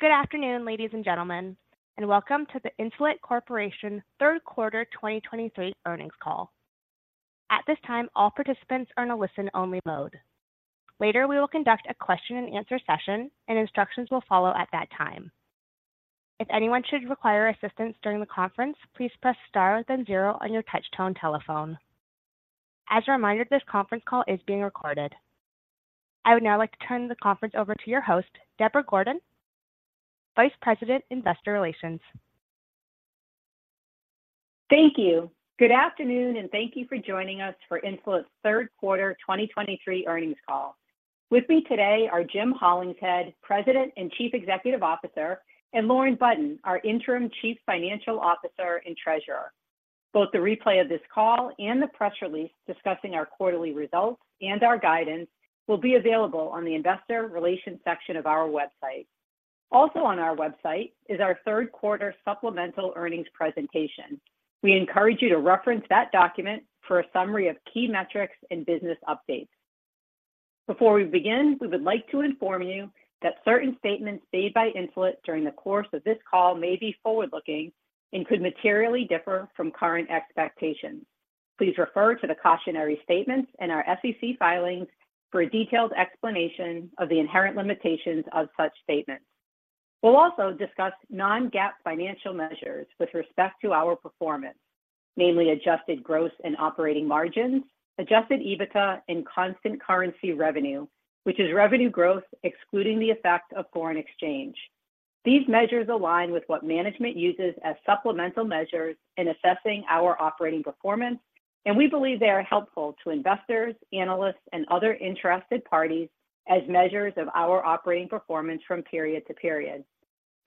Good afternoon, ladies and gentlemen, and welcome to the Insulet Corporation third quarter 2023 earnings call. At this time, all participants are in a listen-only mode. Later, we will conduct a question-and-answer session, and instructions will follow at that time. If anyone should require assistance during the conference, please press star, then zero on your touchtone telephone. As a reminder, this conference call is being recorded. I would now like to turn the conference over to your host, Deborah Gordon, Vice President, Investor Relations. Thank you. Good afternoon, and thank you for joining us for Insulet's third quarter 2023 earnings call. With me today are Jim Hollingshead, President and Chief Executive Officer, and Lauren Budden, our Interim Chief Financial Officer and Treasurer. Both the replay of this call and the press release discussing our quarterly results and our guidance will be available on the investor relations section of our website. Also on our website is our third quarter supplemental earnings presentation. We encourage you to reference that document for a summary of key metrics and business updates. Before we begin, we would like to inform you that certain statements made by Insulet during the course of this call may be forward-looking and could materially differ from current expectations. Please refer to the cautionary statements in our SEC filings for a detailed explanation of the inherent limitations of such statements. We'll also discuss non-GAAP financial measures with respect to our performance, namely adjusted gross and operating margins, adjusted EBITDA and constant currency revenue, which is revenue growth excluding the effect of foreign exchange. These measures align with what management uses as supplemental measures in assessing our operating performance, and we believe they are helpful to investors, analysts, and other interested parties as measures of our operating performance from period to period.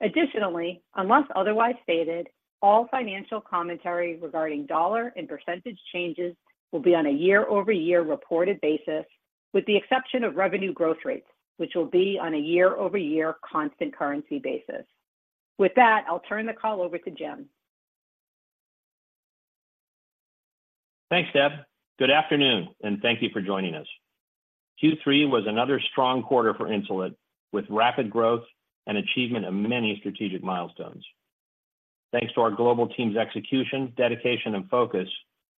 Additionally, unless otherwise stated, all financial commentary regarding dollar and percentage changes will be on a year-over-year reported basis, with the exception of revenue growth rates, which will be on a year-over-year constant currency basis. With that, I'll turn the call over to Jim. Thanks, Deb. Good afternoon, and thank you for joining us. Q3 was another strong quarter for Insulet, with rapid growth and achievement of many strategic milestones. Thanks to our global team's execution, dedication, and focus,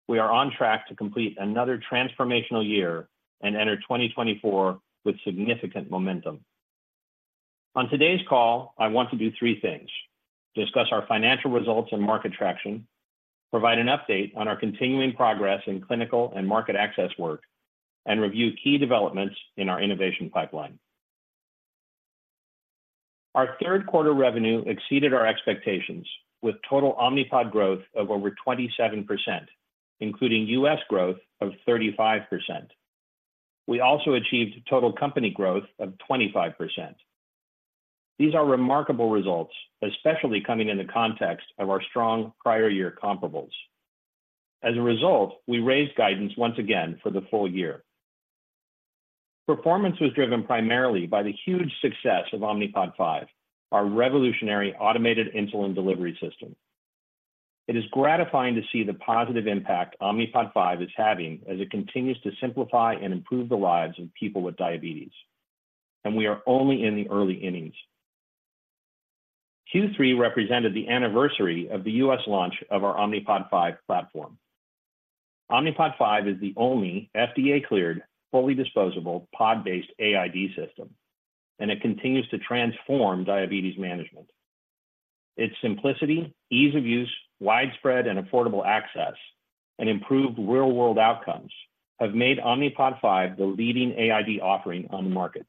we are on track to complete another transformational year and enter 2024 with significant momentum. On today's call, I want to do three things: discuss our financial results and market traction, provide an update on our continuing progress in clinical and market access work, and review key developments in our innovation pipeline. Our third quarter revenue exceeded our expectations, with total Omnipod growth of over 27%, including U.S. growth of 35%. We also achieved total company growth of 25%. These are remarkable results, especially coming in the context of our strong prior year comparables. As a result, we raised guidance once again for the full year. Performance was driven primarily by the huge success of Omnipod 5, our revolutionary automated insulin delivery system. It is gratifying to see the positive impact Omnipod 5 is having as it continues to simplify and improve the lives of people with diabetes, and we are only in the early innings. Q3 represented the anniversary of the U.S. launch of our Omnipod 5 platform. Omnipod 5 is the only FDA-cleared, fully disposable pod-based AID system, and it continues to transform diabetes management. Its simplicity, ease of use, widespread and affordable access, and improved real-world outcomes have made Omnipod 5 the leading AID offering on the market.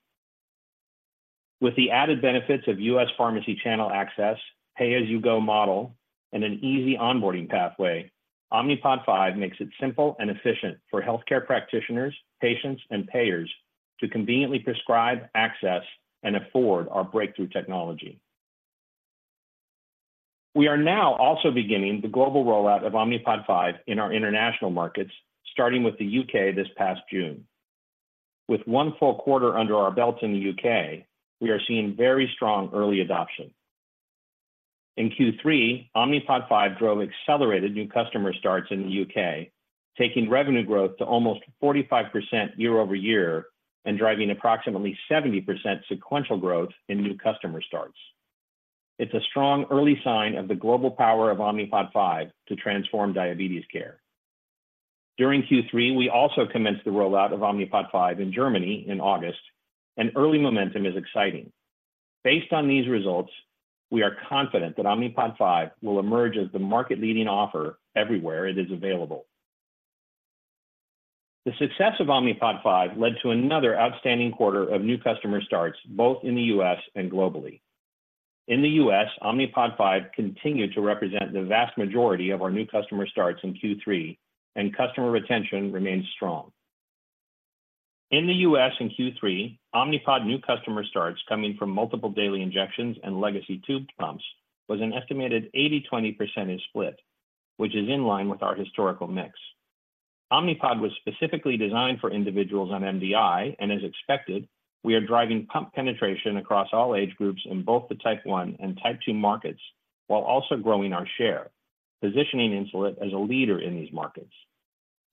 With the added benefits of U.S. pharmacy channel access, pay-as-you-go model, and an easy onboarding pathway, Omnipod 5 makes it simple and efficient for healthcare practitioners, patients, and payers to conveniently prescribe, access, and afford our breakthrough technology. We are now also beginning the global rollout of Omnipod 5 in our international markets, starting with the U.K. this past June. With one full quarter under our belt in the U.K., we are seeing very strong early adoption. In Q3, Omnipod 5 drove accelerated new customer starts in the U.K., taking revenue growth to almost 45% year-over-year and driving approximately 70% sequential growth in new customer starts. It's a strong early sign of the global power of Omnipod 5 to transform diabetes care. During Q3, we also commenced the rollout of Omnipod 5 in Germany in August, and early momentum is exciting. Based on these results, we are confident that Omnipod 5 will emerge as the market-leading offer everywhere it is available. The success of Omnipod 5 led to another outstanding quarter of new customer starts, both in the U.S. and globally. In the U.S., Omnipod 5 continued to represent the vast majority of our new customer starts in Q3, and customer retention remains strong. In the U.S. in Q3, Omnipod new customer starts coming from multiple daily injections and legacy tube pumps was an estimated 80%/20% split, which is in line with our historical mix. Omnipod was specifically designed for individuals on MDI, and as expected, we are driving pump penetration across all age groups in both the type 1 and type 2 markets, while also growing our share, positioning Insulet as a leader in these markets.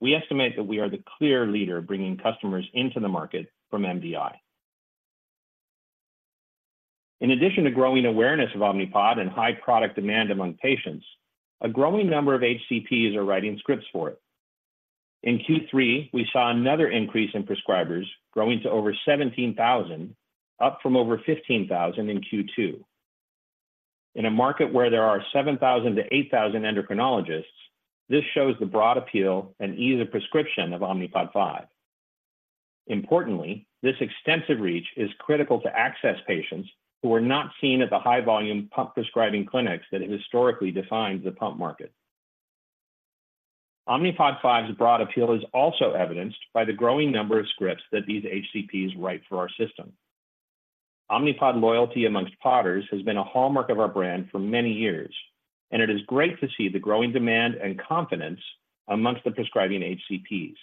We estimate that we are the clear leader bringing customers into the market from MDI. In addition to growing awareness of Omnipod and high product demand among patients, a growing number of HCPs are writing scripts for it. In Q3, we saw another increase in prescribers growing to over 17,000, up from over 15,000 in Q2. In a market where there are 7,000-8,000 endocrinologists, this shows the broad appeal and ease of prescription of Omnipod 5. Importantly, this extensive reach is critical to access patients who were not seen at the high-volume pump prescribing clinics that have historically defined the pump market. Omnipod 5's broad appeal is also evidenced by the growing number of scripts that these HCPs write for our system. Omnipod loyalty among Podders has been a hallmark of our brand for many years, and it is great to see the growing demand and confidence among the prescribing HCPs.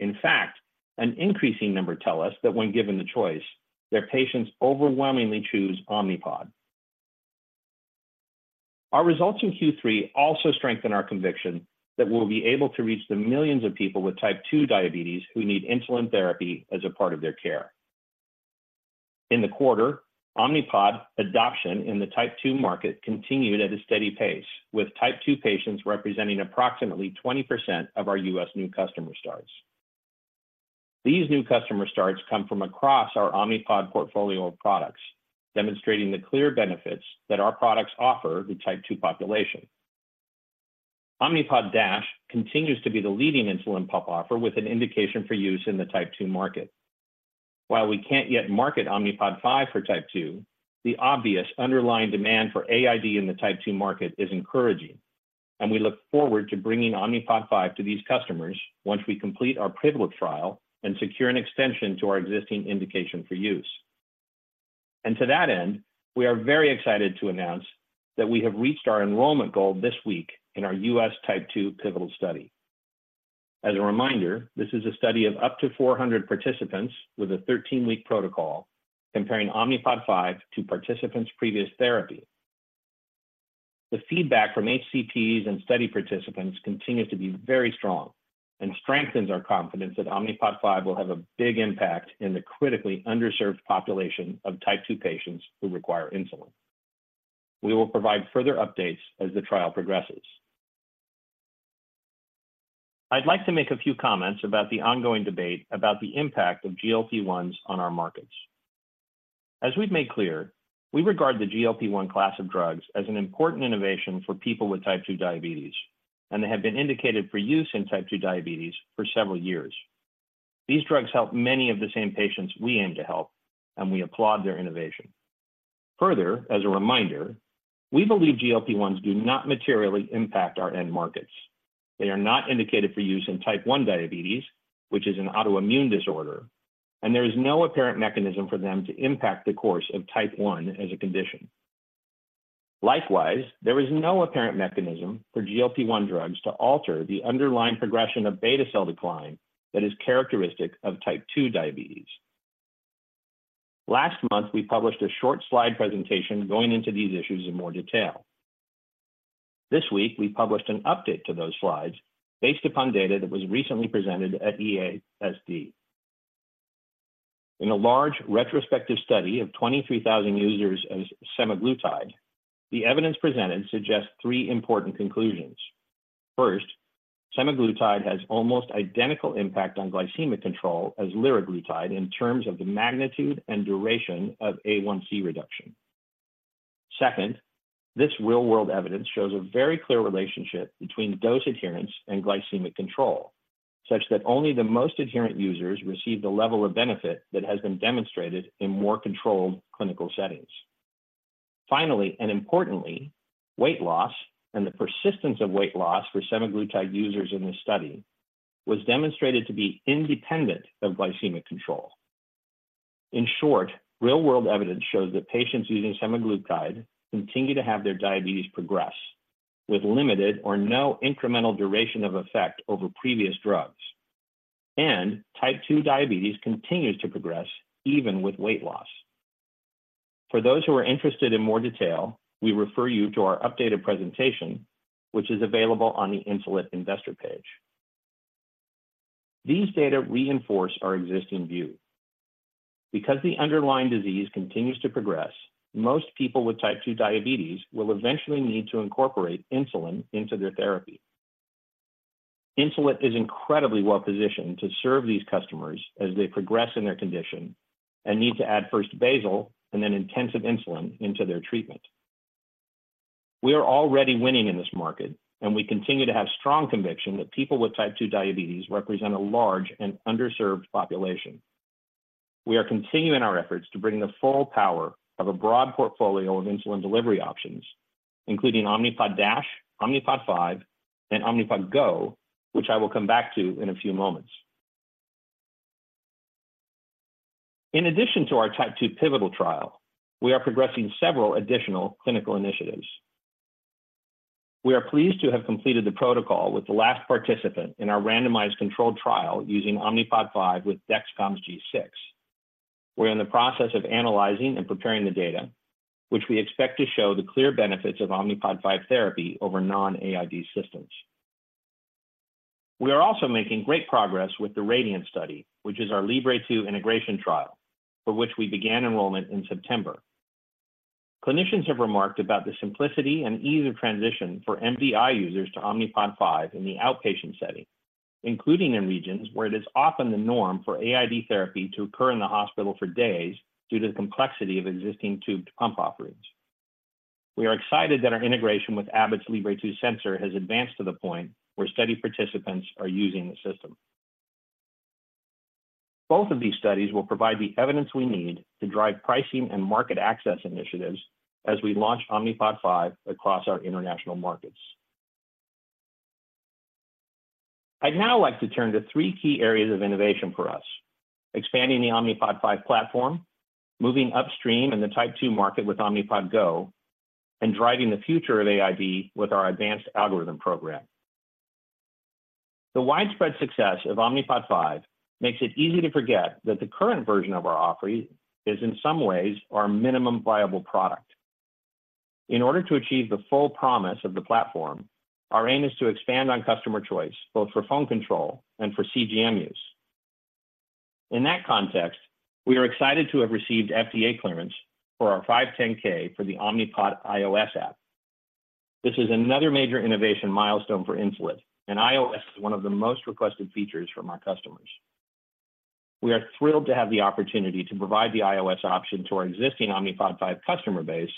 In fact, an increasing number tell us that when given the choice, their patients overwhelmingly choose Omnipod. Our results in Q3 also strengthen our conviction that we'll be able to reach the millions of people with type 2 diabetes who need insulin therapy as a part of their care. In the quarter, Omnipod adoption in the type 2 market continued at a steady pace, with type 2 patients representing approximately 20% of our U.S. new customer starts. These new customer starts come from across our Omnipod portfolio of products, demonstrating the clear benefits that our products offer the type 2 population. Omnipod DASH continues to be the leading insulin pump offer, with an indication for use in the type 2 market. While we can't yet market Omnipod 5 for type 2, the obvious underlying demand for AID in the type 2 market is encouraging, and we look forward to bringing Omnipod 5 to these customers once we complete our pivotal trial and secure an extension to our existing indication for use. To that end, we are very excited to announce that we have reached our enrollment goal this week in our U.S. type 2 pivotal study. As a reminder, this is a study of up to 400 participants with a 13-week protocol comparing Omnipod 5 to participants' previous therapy. The feedback from HCPs and study participants continues to be very strong and strengthens our confidence that Omnipod 5 will have a big impact in the critically underserved population of type 2 patients who require insulin. We will provide further updates as the trial progresses. I'd like to make a few comments about the ongoing debate about the impact of GLP-1s on our markets. As we've made clear, we regard the GLP-1 class of drugs as an important innovation for people with type 2 diabetes, and they have been indicated for use in type 2 diabetes for several years. These drugs help many of the same patients we aim to help, and we applaud their innovation. Further, as a reminder, we believe GLP-1s do not materially impact our end markets. They are not indicated for use in type 1 diabetes, which is an autoimmune disorder, and there is no apparent mechanism for them to impact the course of type 1 as a condition. Likewise, there is no apparent mechanism for GLP-1 drugs to alter the underlying progression of beta cell decline that is characteristic of type 2 diabetes. Last month, we published a short slide presentation going into these issues in more detail. This week, we published an update to those slides based upon data that was recently presented at EASD. In a large retrospective study of 23,000 users of semaglutide, the evidence presented suggests three important conclusions. First, semaglutide has almost identical impact on glycemic control as liraglutide in terms of the magnitude and duration of A1C reduction. Second, this real-world evidence shows a very clear relationship between dose adherence and glycemic control, such that only the most adherent users receive the level of benefit that has been demonstrated in more controlled clinical settings. Finally, and importantly, weight loss and the persistence of weight loss for semaglutide users in this study was demonstrated to be independent of glycemic control. In short, real-world evidence shows that patients using semaglutide continue to have their diabetes progress, with limited or no incremental duration of effect over previous drugs, and type 2 diabetes continues to progress even with weight loss. For those who are interested in more detail, we refer you to our updated presentation, which is available on the Insulet investor page. These data reinforce our existing view. Because the underlying disease continues to progress, most people with type 2 diabetes will eventually need to incorporate insulin into their therapy. Insulet is incredibly well-positioned to serve these customers as they progress in their condition and need to add first basal and then intensive insulin into their treatment. We are already winning in this market, and we continue to have strong conviction that people with type 2 diabetes represent a large and underserved population. We are continuing our efforts to bring the full power of a broad portfolio of insulin delivery options, including Omnipod DASH, Omnipod 5, and Omnipod GO, which I will come back to in a few moments. In addition to our type 2 pivotal trial, we are progressing several additional clinical initiatives. We are pleased to have completed the protocol with the last participant in our randomized controlled trial using Omnipod 5 with Dexcom's G6.... We're in the process of analyzing and preparing the data, which we expect to show the clear benefits of Omnipod 5 therapy over non-AID systems. We are also making great progress with the Radiant study, which is our Libre 2 integration trial, for which we began enrollment in September. Clinicians have remarked about the simplicity and ease of transition for MDI users to Omnipod 5 in the outpatient setting, including in regions where it is often the norm for AID therapy to occur in the hospital for days due to the complexity of existing tubed pump offerings. We are excited that our integration with Abbott's Libre 2 sensor has advanced to the point where study participants are using the system. Both of these studies will provide the evidence we need to drive pricing and market access initiatives as we launch Omnipod 5 across our international markets. I'd now like to turn to three key areas of innovation for us: expanding the Omnipod 5 platform, moving upstream in the type 2 market with Omnipod GO, and driving the future of AID with our advanced algorithm program. The widespread success of Omnipod 5 makes it easy to forget that the current version of our offering is, in some ways, our minimum viable product. In order to achieve the full promise of the platform, our aim is to expand on customer choice, both for phone control and for CGM use. In that context, we are excited to have received FDA clearance for our 510(k) for the Omnipod iOS app. This is another major innovation milestone for Insulet, and iOS is one of the most requested features from our customers. We are thrilled to have the opportunity to provide the iOS option to our existing Omnipod 5 customer base,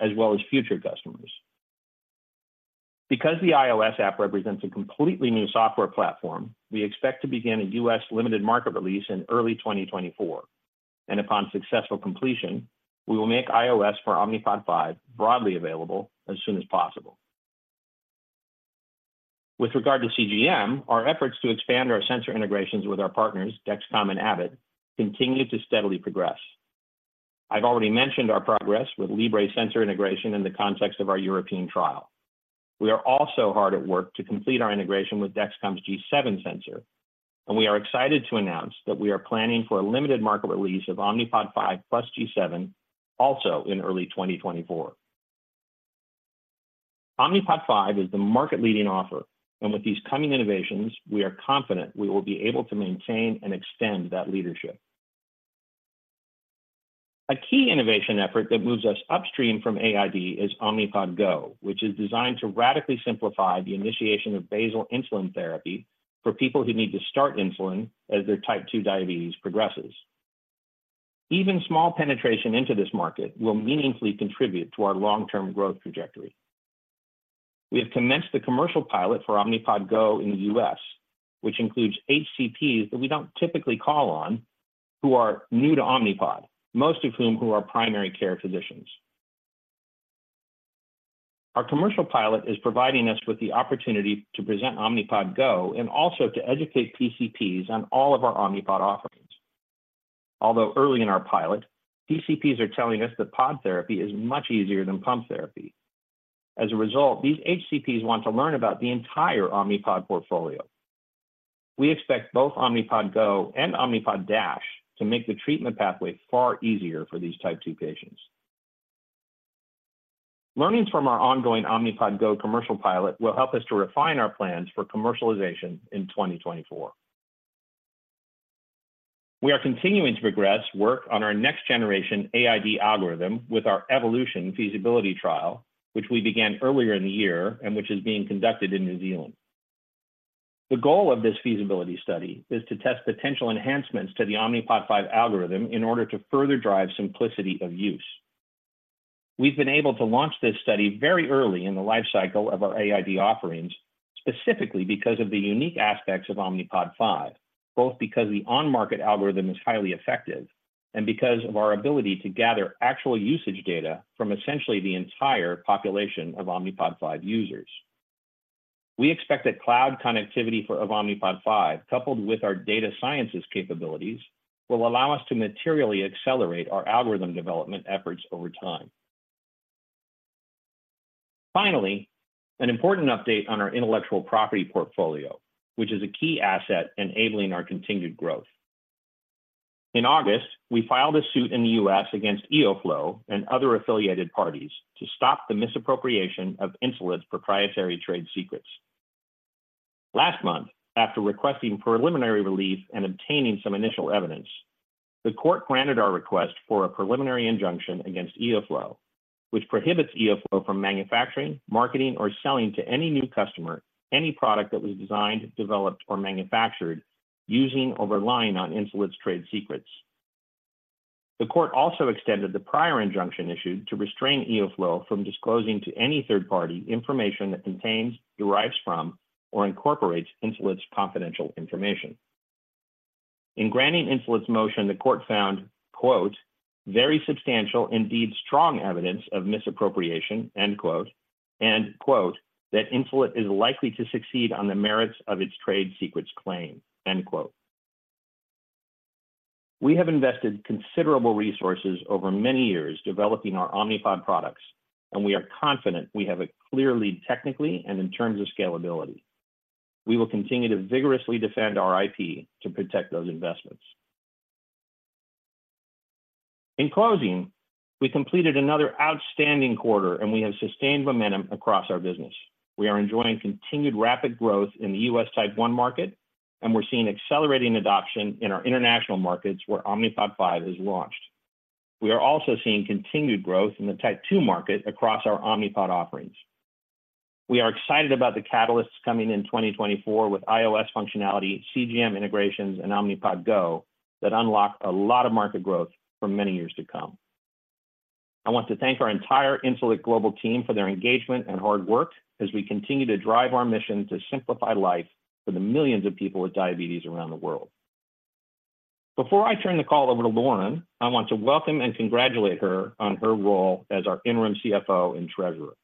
as well as future customers. Because the iOS app represents a completely new software platform, we expect to begin a U.S. limited market release in early 2024, and upon successful completion, we will make iOS for Omnipod 5 broadly available as soon as possible. With regard to CGM, our efforts to expand our sensor integrations with our partners, Dexcom and Abbott, continue to steadily progress. I've already mentioned our progress with Libre sensor integration in the context of our European trial. We are also hard at work to complete our integration with Dexcom's G7 sensor, and we are excited to announce that we are planning for a limited market release of Omnipod 5 plus G7 also in early 2024. Omnipod 5 is the market-leading offer, and with these coming innovations, we are confident we will be able to maintain and extend that leadership. A key innovation effort that moves us upstream from AID is Omnipod GO, which is designed to radically simplify the initiation of basal insulin therapy for people who need to start insulin as their type 2 diabetes progresses. Even small penetration into this market will meaningfully contribute to our long-term growth trajectory. We have commenced the commercial pilot for Omnipod GO in the U.S., which includes HCPs that we don't typically call on, who are new to Omnipod, most of whom who are primary care physicians. Our commercial pilot is providing us with the opportunity to Omnipod GO and also to educate PCPs on all of our Omnipod offerings. Although early in our pilot, PCPs are telling us that pod therapy is much easier than pump therapy. As a result, these HCPs want to learn about the entire Omnipod portfolio. We expect both Omnipod GO and Omnipod DASH to make the treatment pathway far easier for these type 2 patients. Learnings from our ongoing Omnipod GO commercial pilot will help us to refine our plans for commercialization in 2024. We are continuing to progress work on our next generation AID algorithm with our Evolution feasibility trial, which we began earlier in the year and which is being conducted in New Zealand. The goal of this feasibility study is to test potential enhancements to the Omnipod 5 algorithm in order to further drive simplicity of use. We've been able to launch this study very early in the life cycle of our AID offerings, specifically because of the unique aspects of Omnipod 5, both because the on-market algorithm is highly effective and because of our ability to gather actual usage data from essentially the entire population of Omnipod 5 users. We expect that cloud connectivity for Omnipod 5, coupled with our data sciences capabilities, will allow us to materially accelerate our algorithm development efforts over time. Finally, an important update on our intellectual property portfolio, which is a key asset enabling our continued growth. In August, we filed a suit in the U.S. against EOFlow and other affiliated parties to stop the misappropriation of Insulet's proprietary trade secrets. Last month, after requesting preliminary relief and obtaining some initial evidence, the court granted our request for a preliminary injunction against EOFlow, which prohibits EOFlow from manufacturing, marketing, or selling to any new customer, any product that was designed, developed, or manufactured, using or relying on Insulet's trade secrets. The court also extended the prior injunction issued to restrain EOFlow from disclosing to any third party information that contains, derives from, or incorporates Insulet's confidential information. In granting Insulet's motion, the court found, quote, "Very substantial, indeed strong evidence of misappropriation," end quote, and, quote, "That Insulet is likely to succeed on the merits of its trade secrets claim," end quote. We have invested considerable resources over many years developing our Omnipod products, and we are confident we have a clear lead technically and in terms of scalability.... We will continue to vigorously defend our IP to protect those investments. In closing, we completed another outstanding quarter, and we have sustained momentum across our business. We are enjoying continued rapid growth in the U.S. type 1 market, and we're seeing accelerating adoption in our international markets, where Omnipod 5 is launched. We are also seeing continued growth in the type 2 market across our Omnipod offerings. We are excited about the catalysts coming in 2024 with iOS functionality, CGM integrations, and Omnipod GO that unlock a lot of market growth for many years to come. I want to thank our entire Insulet global team for their engagement and hard work as we continue to drive our mission to simplify life for the millions of people with diabetes around the world. Before I turn the call over to Lauren, I want to welcome and congratulate her on her role as our Interim CFO and Treasurer.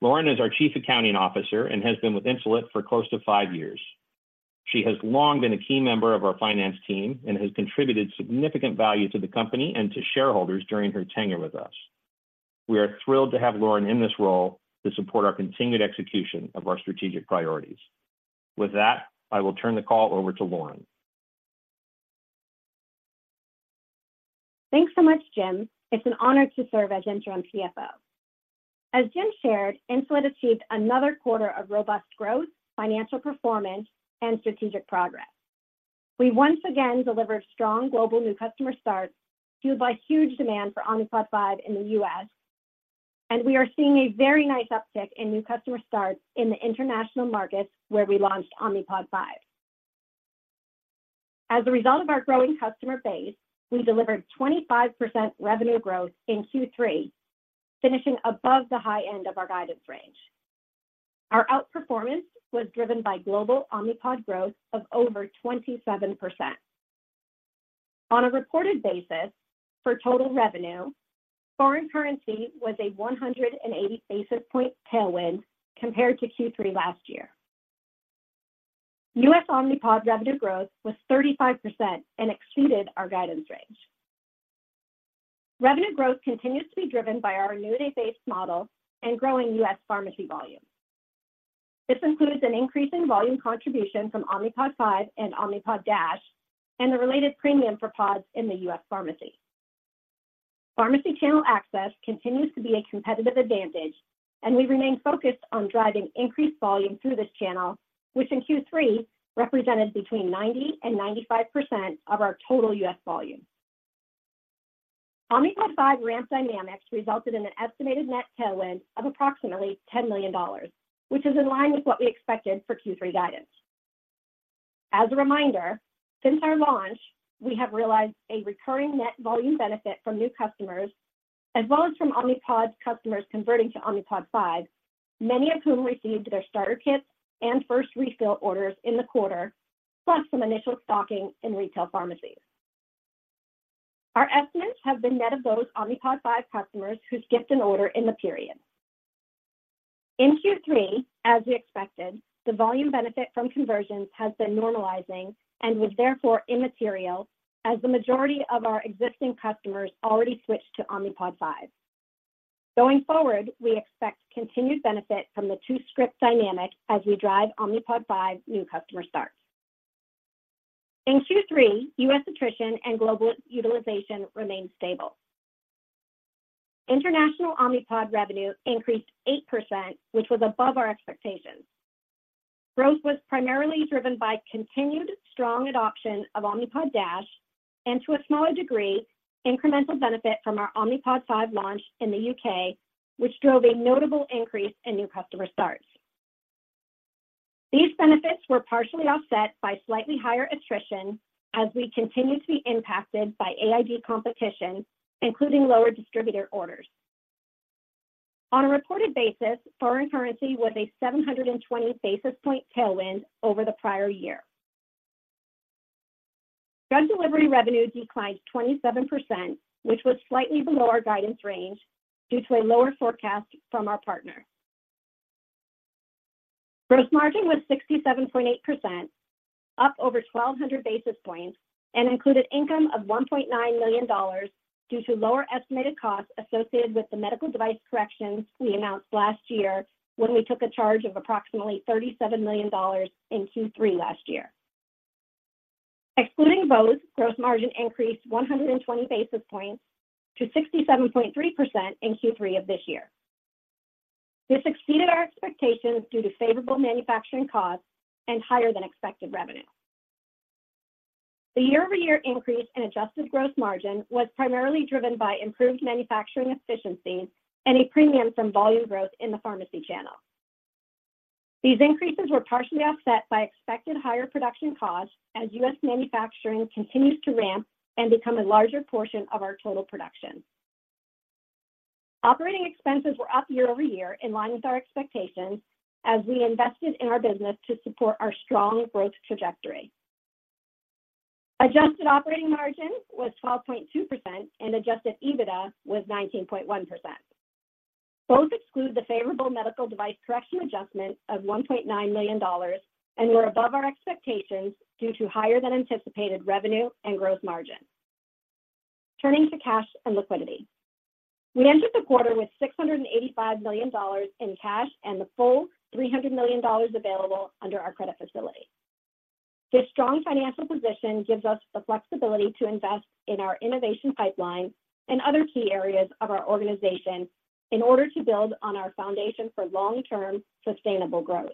Lauren is our Chief Accounting Officer and has been with Insulet for close to five years. She has long been a key member of our finance team and has contributed significant value to the company and to shareholders during her tenure with us. We are thrilled to have Lauren in this role to support our continued execution of our strategic priorities. With that, I will turn the call over to Lauren. Thanks so much, Jim. It's an honor to serve as Interim CFO. As Jim shared, Insulet achieved another quarter of robust growth, financial performance, and strategic progress. We once again delivered strong global new customer starts, fueled by huge demand for Omnipod 5 in the U.S., and we are seeing a very nice uptick in new customer starts in the international markets where we launched Omnipod 5. As a result of our growing customer base, we delivered 25% revenue growth in Q3, finishing above the high end of our guidance range. Our outperformance was driven by global Omnipod growth of over 27%. On a reported basis for total revenue, foreign currency was a 180 basis point tailwind compared to Q3 last year. U.S. Omnipod revenue growth was 35% and exceeded our guidance range. Revenue growth continues to be driven by our annuity-based model and growing U.S. pharmacy volume. This includes an increase in volume contribution from Omnipod 5 and Omnipod DASH, and the related premium for pods in the U.S. pharmacy. Pharmacy channel access continues to be a competitive advantage, and we remain focused on driving increased volume through this channel, which in Q3 represented between 90% and 95% of our total U.S. volume. Omnipod 5 ramp dynamics resulted in an estimated net tailwind of approximately $10 million, which is in line with what we expected for Q3 guidance. As a reminder, since our launch, we have realized a recurring net volume benefit from new customers as well as from Omnipod's customers converting to Omnipod 5, many of whom received their starter kits and first refill orders in the quarter, plus some initial stocking in retail pharmacies. Our estimates have been net of those Omnipod 5 customers who skipped an order in the period. In Q3, as we expected, the volume benefit from conversions has been normalizing and was therefore immaterial as the majority of our existing customers already switched to Omnipod 5. Going forward, we expect continued benefit from the two-script dynamic as we drive Omnipod 5 new customer starts. In Q3, U.S. attrition and global utilization remained stable. International Omnipod revenue increased 8%, which was above our expectations. Growth was primarily driven by continued strong adoption of Omnipod DASH and, to a smaller degree, incremental benefit from our Omnipod 5 launch in the U.K., which drove a notable increase in new customer starts. These benefits were partially offset by slightly higher attrition as we continue to be impacted by AID competition, including lower distributor orders. On a reported basis, foreign currency was a 720 basis point tailwind over the prior year. Drug delivery revenue declined 27%, which was slightly below our guidance range due to a lower forecast from our partner. Gross margin was 67.8%, up over 1,200 basis points, and included income of $1.9 million due to lower estimated costs associated with the medical device corrections we announced last year when we took a charge of approximately $37 million in Q3 last year. Excluding both, gross margin increased 120 basis points to 67.3% in Q3 of this year. This exceeded our expectations due to favorable manufacturing costs and higher than expected revenue. The year-over-year increase in adjusted gross margin was primarily driven by improved manufacturing efficiency and a premium from volume growth in the pharmacy channel. These increases were partially offset by expected higher production costs as U.S. manufacturing continues to ramp and become a larger portion of our total production. Operating expenses were up year-over-year, in line with our expectations, as we invested in our business to support our strong growth trajectory. Adjusted operating margin was 12.2% and adjusted EBITDA was 19.1%. Both exclude the favorable medical device correction adjustment of $1.9 million and were above our expectations due to higher than anticipated revenue and gross margin. Turning to cash and liquidity. We entered the quarter with $685 million in cash and the full $300 million available under our credit facility. This strong financial position gives us the flexibility to invest in our innovation pipeline and other key areas of our organization in order to build on our foundation for long-term, sustainable growth.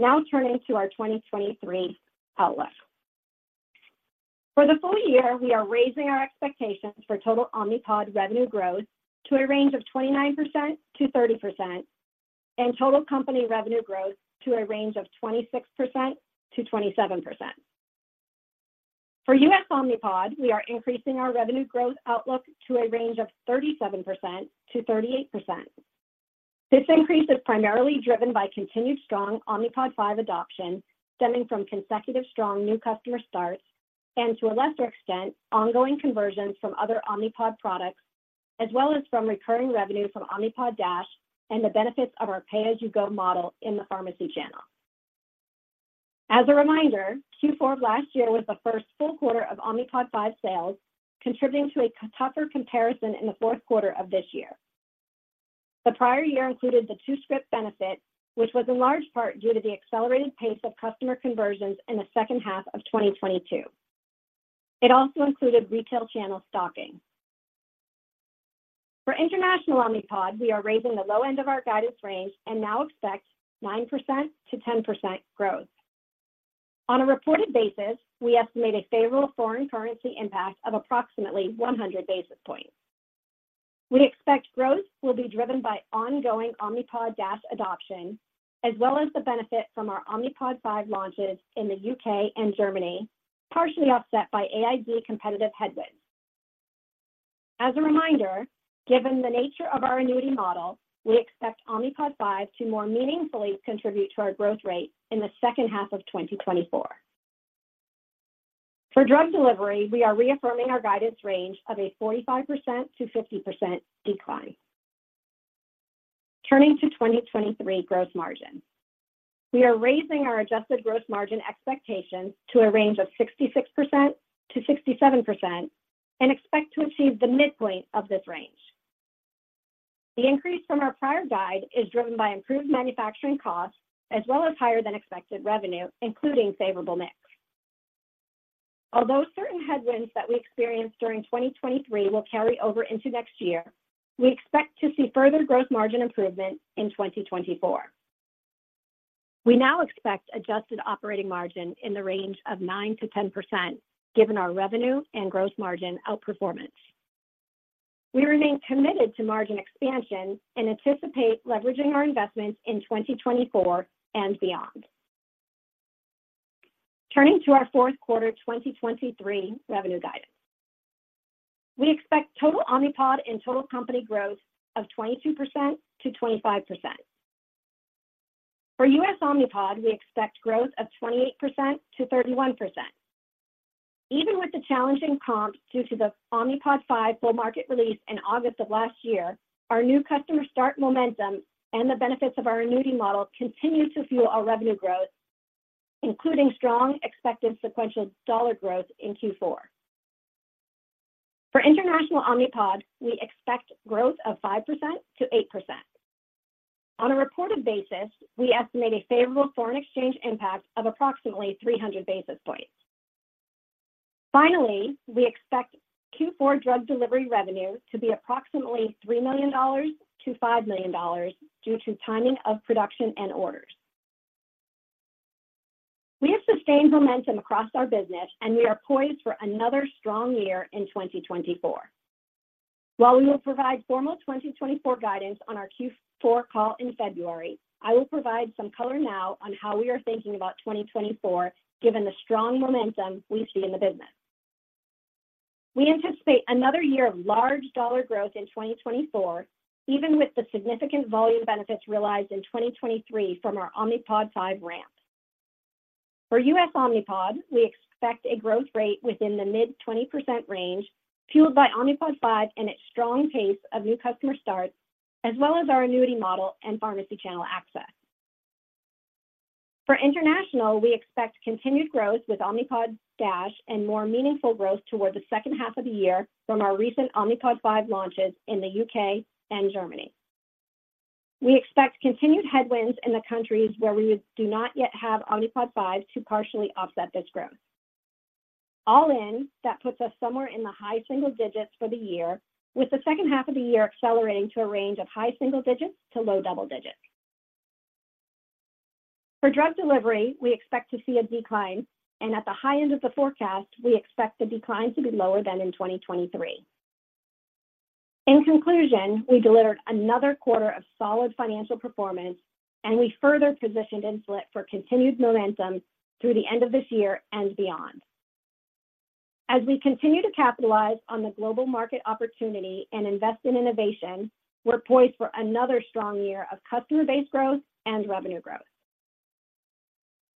Now turning to our 2023 outlook. For the full year, we are raising our expectations for total Omnipod revenue growth to a range of 29%-30% and total company revenue growth to a range of 26%-27%. For U.S. Omnipod, we are increasing our revenue growth outlook to a range of 37%-38%. This increase is primarily driven by continued strong Omnipod 5 adoption, stemming from consecutive strong new customer starts and, to a lesser extent, ongoing conversions from other Omnipod products, as well as from recurring revenue from Omnipod DASH and the benefits of our pay-as-you-go model in the pharmacy channel. As a reminder, Q4 of last year was the first full quarter of Omnipod 5 sales, contributing to a tougher comparison in the fourth quarter of this year. The prior year included the two-script benefit, which was in large part due to the accelerated pace of customer conversions in the second half of 2022. It also included retail channel stocking. For international Omnipod, we are raising the low end of our guidance range and now expect 9%-10% growth. On a reported basis, we estimate a favorable foreign currency impact of approximately 100 basis points. We expect growth will be driven by ongoing Omnipod DASH adoption, as well as the benefit from our Omnipod 5 launches in the U.K. and Germany, partially offset by AID competitive headwinds. As a reminder, given the nature of our annuity model, we expect Omnipod 5 to more meaningfully contribute to our growth rate in the second half of 2024. For drug delivery, we are reaffirming our guidance range of a 45%-50% decline. Turning to 2023 gross margin. We are raising our adjusted gross margin expectations to a range of 66%-67% and expect to achieve the midpoint of this range. The increase from our prior guide is driven by improved manufacturing costs as well as higher than expected revenue, including favorable mix. Although certain headwinds that we experienced during 2023 will carry over into next year, we expect to see further gross margin improvement in 2024. We now expect adjusted operating margin in the range of 9%-10%, given our revenue and gross margin outperformance. We remain committed to margin expansion and anticipate leveraging our investments in 2024 and beyond. Turning to our fourth quarter 2023 revenue guidance. We expect total Omnipod and total company growth of 22%-25%. For U.S. Omnipod, we expect growth of 28%-31%. Even with the challenging comps due to the Omnipod 5 full market release in August of last year, our new customer start momentum and the benefits of our annuity model continue to fuel our revenue growth, including strong expected sequential dollar growth in Q4. For international Omnipod, we expect growth of 5%-8%. On a reported basis, we estimate a favorable foreign exchange impact of approximately 300 basis points. Finally, we expect Q4 drug delivery revenue to be approximately $3 million-$5 million due to timing of production and orders. We have sustained momentum across our business, and we are poised for another strong year in 2024. While we will provide formal 2024 guidance on our Q4 call in February, I will provide some color now on how we are thinking about 2024, given the strong momentum we see in the business. We anticipate another year of large dollar growth in 2024, even with the significant volume benefits realized in 2023 from our Omnipod 5 ramp. For U.S. Omnipod, we expect a growth rate within the mid-20% range, fueled by Omnipod 5 and its strong pace of new customer starts, as well as our annuity model and pharmacy channel access. For international, we expect continued growth with Omnipod DASH and more meaningful growth toward the second half of the year from our recent Omnipod 5 launches in the U.K. and Germany. We expect continued headwinds in the countries where we do not yet have Omnipod 5 to partially offset this growth. All in, that puts us somewhere in the high single digits for the year, with the second half of the year accelerating to a range of high single digits to low double digits. For drug delivery, we expect to see a decline, and at the high end of the forecast, we expect the decline to be lower than in 2023. In conclusion, we delivered another quarter of solid financial performance, and we further positioned Insulet for continued momentum through the end of this year and beyond. As we continue to capitalize on the global market opportunity and invest in innovation, we're poised for another strong year of customer base growth and revenue growth.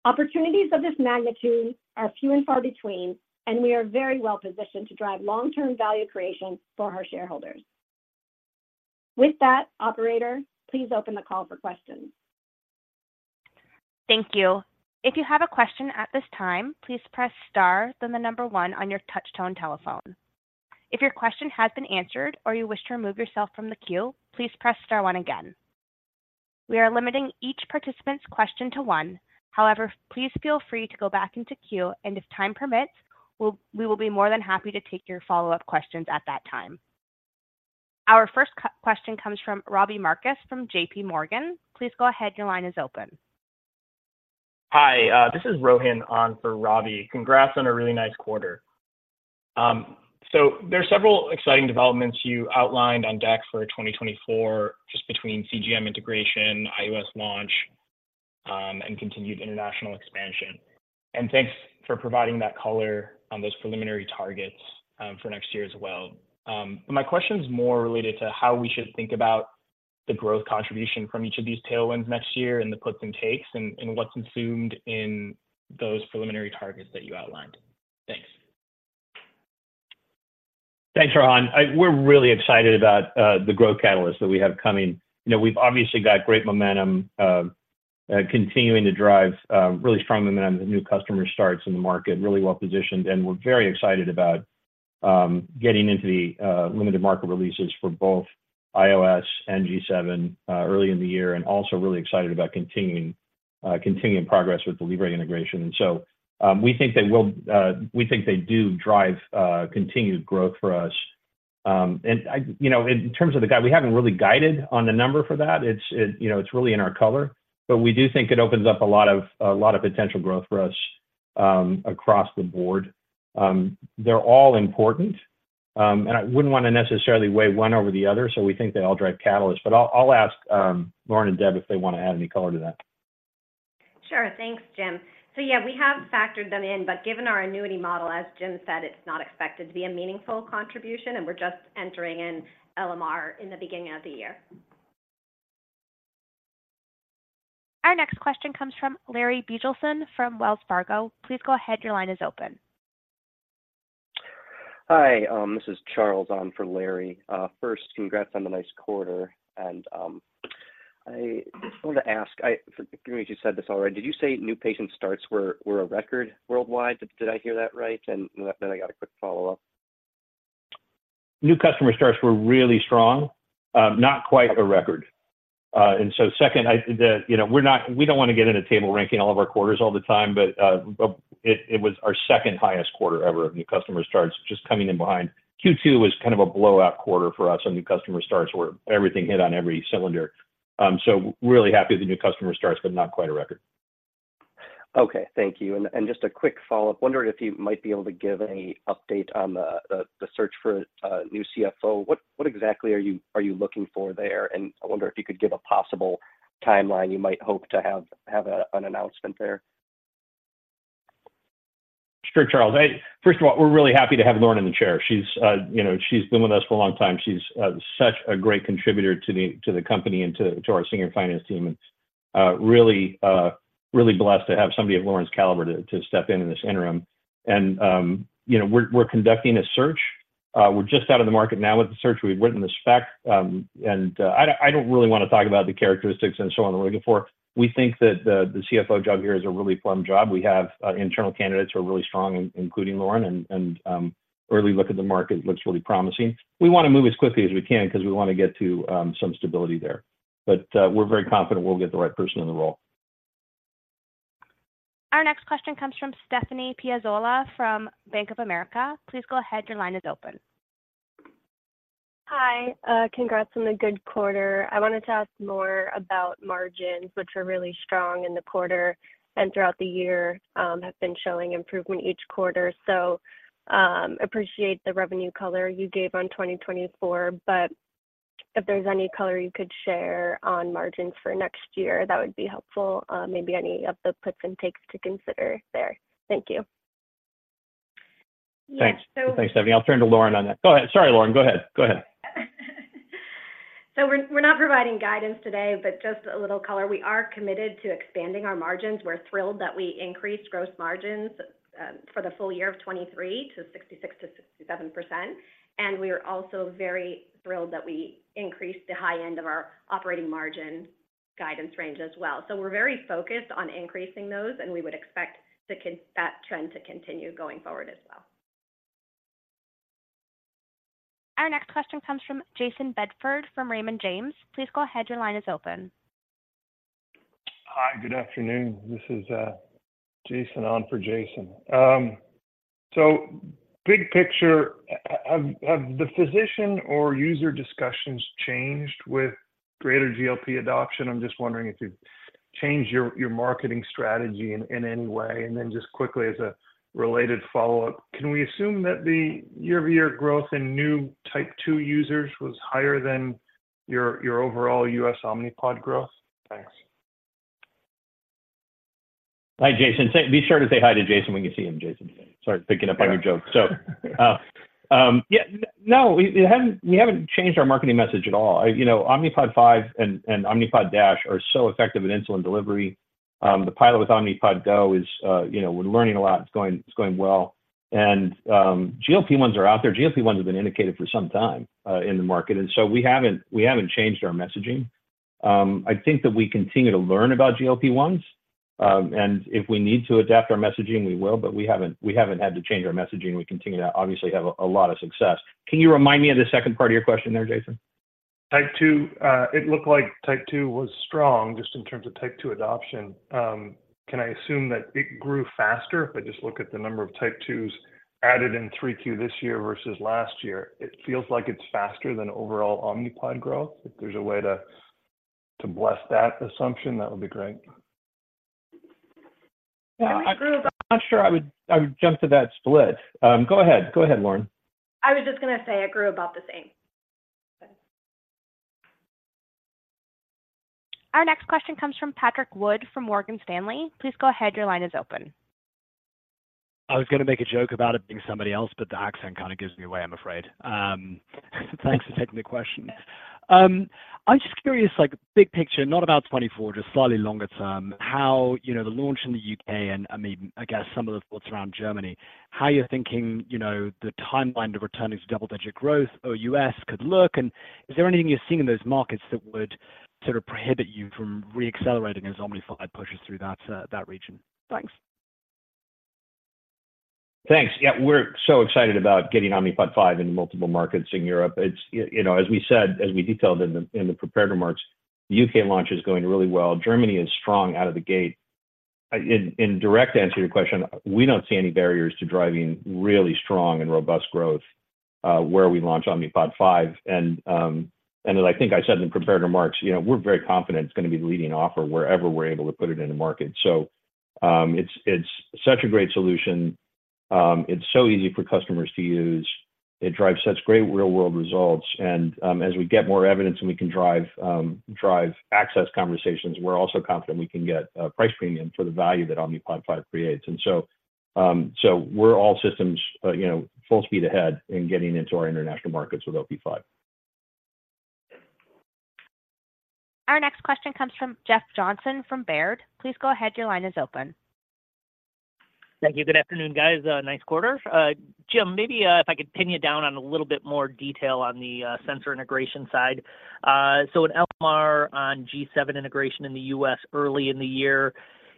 Opportunities of this magnitude are few and far between, and we are very well positioned to drive long-term value creation for our shareholders. With that, operator, please open the call for questions. Thank you. If you have a question at this time, please press star, then the number one on your touchtone telephone. If your question has been answered or you wish to remove yourself from the queue, please press star one again. We are limiting each participant's question to one. However, please feel free to go back into queue, and if time permits, we'll, we will be more than happy to take your follow-up questions at that time. Our first question comes from Robbie Marcus from JPMorgan. Please go ahead. Your line is open. Hi, this is Rohan on for Robbie. Congrats on a really nice quarter. There are several exciting developments you outlined on deck for 2024, just between CGM integration, iOS launch, and continued international expansion. Thanks for providing that color on those preliminary targets for next year as well. My question is more related to how we should think about the growth contribution from each of these tailwinds next year and the puts and takes, and, and what's consumed in those preliminary targets that you outlined. Thanks. Thanks, Rohan. We're really excited about the growth catalyst that we have coming. You know, we've obviously got great momentum, continuing to drive really strong momentum as new customer starts in the market, really well positioned, and we're very excited about getting into the limited market releases for both iOS and G7 early in the year, and also really excited about continuing progress with the Libre integration. So we think they do drive continued growth for us. You know, in terms of the guide, we haven't really guided on the number for that. It's really in our color, but we do think it opens up a lot of potential growth for us across the board. They're all important, and I wouldn't want to necessarily weigh one over the other, so we think they all drive catalyst. But I'll ask Lauren and Deb if they want to add any color to that. Sure. Thanks, Jim. So yeah, we have factored them in, but given our annuity model, as Jim said, it's not expected to be a meaningful contribution, and we're just entering in LMR in the beginning of the year. Our next question comes from Larry Biegelsen from Wells Fargo. Please go ahead. Your line is open. Hi, this is Charles on for Larry. First, congrats on the nice quarter, and I wanted to ask. You may have just said this already. Did you say new patient starts were a record worldwide? Did I hear that right? And then I got a quick follow-up. New customer starts were really strong, not quite a record. And so second, you know, we don't want to get into table ranking all of our quarters all the time, but it was our second highest quarter ever of new customer starts, just coming in behind. Q2 was kind of a blowout quarter for us on new customer starts, where everything hit on every cylinder. So really happy with the new customer starts, but not quite a record. Okay, thank you. And just a quick follow-up, wondering if you might be able to give any update on the search for a new CFO. What exactly are you looking for there? And I wonder if you could give a possible timeline you might hope to have an announcement there. Sure, Charles. First of all, we're really happy to have Lauren in the chair. She's, you know, she's been with us for a long time. She's such a great contributor to the company and to our senior finance team. And really blessed to have somebody of Lauren's caliber to step in in this interim. And, you know, we're conducting a search. We're just out in the market now with the search. We've written the spec, and I don't really want to talk about the characteristics and so on we're looking for. We think that the CFO job here is a really plum job. We have internal candidates who are really strong, including Lauren, and early look at the market looks really promising. We want to move as quickly as we can because we want to get to some stability there. But, we're very confident we'll get the right person in the role. Our next question comes from Stephanie Piazzola from Bank of America. Please go ahead. Your line is open. Hi, congrats on the good quarter. I wanted to ask more about margins, which are really strong in the quarter and throughout the year, have been showing improvement each quarter. So, appreciate the revenue color you gave on 2024, but if there's any color you could share on margins for next year, that would be helpful. Maybe any of the puts and takes to consider there. Thank you. Yeah, so- Thanks. Thanks, Stephanie. I'll turn to Lauren on that. Go ahead. Sorry, Lauren, go ahead. Go ahead. So we're not providing guidance today, but just a little color. We are committed to expanding our margins. We're thrilled that we increased gross margins for the full year of 2023 to 66%-67%, and we are also very thrilled that we increased the high end of our operating margin guidance range as well. So we're very focused on increasing those, and we would expect that trend to continue going forward as well. Our next question comes from Jayson Bedford from Raymond James. Please go ahead. Your line is open. Hi, good afternoon. This is Jason on for Jayson. So big picture, have the physician or user discussions changed with greater GLP adoption? I'm just wondering if you've changed your marketing strategy in any way. And then just quickly, as a related follow-up, can we assume that the year-over-year growth in new type 2 users was higher than your overall U.S. Omnipod growth? Thanks. Hi, Jason. Be sure to say hi to Jayson when you see him, Jason. Sorry, picking up on your joke. So, yeah, no, we, we haven't, we haven't changed our marketing message at all. You know, Omnipod 5 and, and Omnipod DASH are so effective at insulin delivery. The pilot with Omnipod GO is, you know, we're learning a lot. It's going, it's going well. And, GLP-1s are out there. GLP-1s have been indicated for some time, in the market, and so we haven't, we haven't changed our messaging. I think that we continue to learn about GLP-1s, and if we need to adapt our messaging, we will, but we haven't, we haven't had to change our messaging. We continue to obviously have a, a lot of success. Can you remind me of the second part of your question there, Jason? Type 2, it looked like type 2 was strong, just in terms of type 2 adoption. Can I assume that it grew faster? If I just look at the number of type 2s added in 3Q this year versus last year, it feels like it's faster than overall Omnipod growth. If there's a way to bless that assumption, that would be great. Yeah, I'm not sure I would, I would jump to that split. Go ahead. Go ahead, Lauren. I was just gonna say it grew about the same. Our next question comes from Patrick Wood, from Morgan Stanley. Please go ahead. Your line is open. I was gonna make a joke about it being somebody else, but the accent kind of gives me away, I'm afraid. Thanks for taking the question. I'm just curious, like big picture, not about 2024, just slightly longer-term, how, you know, the launch in the U.K. and, I mean, I guess some of the thoughts around Germany. How you're thinking, you know, the timeline to returning to double-digit growth or U.S. could look, and is there anything you're seeing in those markets that would sort of prohibit you from reaccelerating as Omnipod pushes through that, that region? Thanks. Thanks. Yeah, we're so excited about getting Omnipod 5 into multiple markets in Europe. It's, you know, as we said, as we detailed in the prepared remarks, the U.K. launch is going really well. Germany is strong out of the gate. In direct answer to your question, we don't see any barriers to driving really strong and robust growth where we launch Omnipod 5. And as I think I said in the prepared remarks, you know, we're very confident it's gonna be the leading offer wherever we're able to put it in the market. So, it's such a great solution. It's so easy for customers to use. It drives such great real-world results, and as we get more evidence, and we can drive access conversations, we're also confident we can get a price premium for the value that Omnipod 5 creates. And so we're all systems, you know, full speed ahead in getting into our international markets with Omnipod 5. Our next question comes from Jeff Johnson from Baird. Please go ahead. Your line is open. Thank you. Good afternoon, guys. Nice quarter. Jim, maybe, if I could pin you down on a little bit more detail on the sensor integration side. So an LMR on G7 integration in the U.S. early in the year,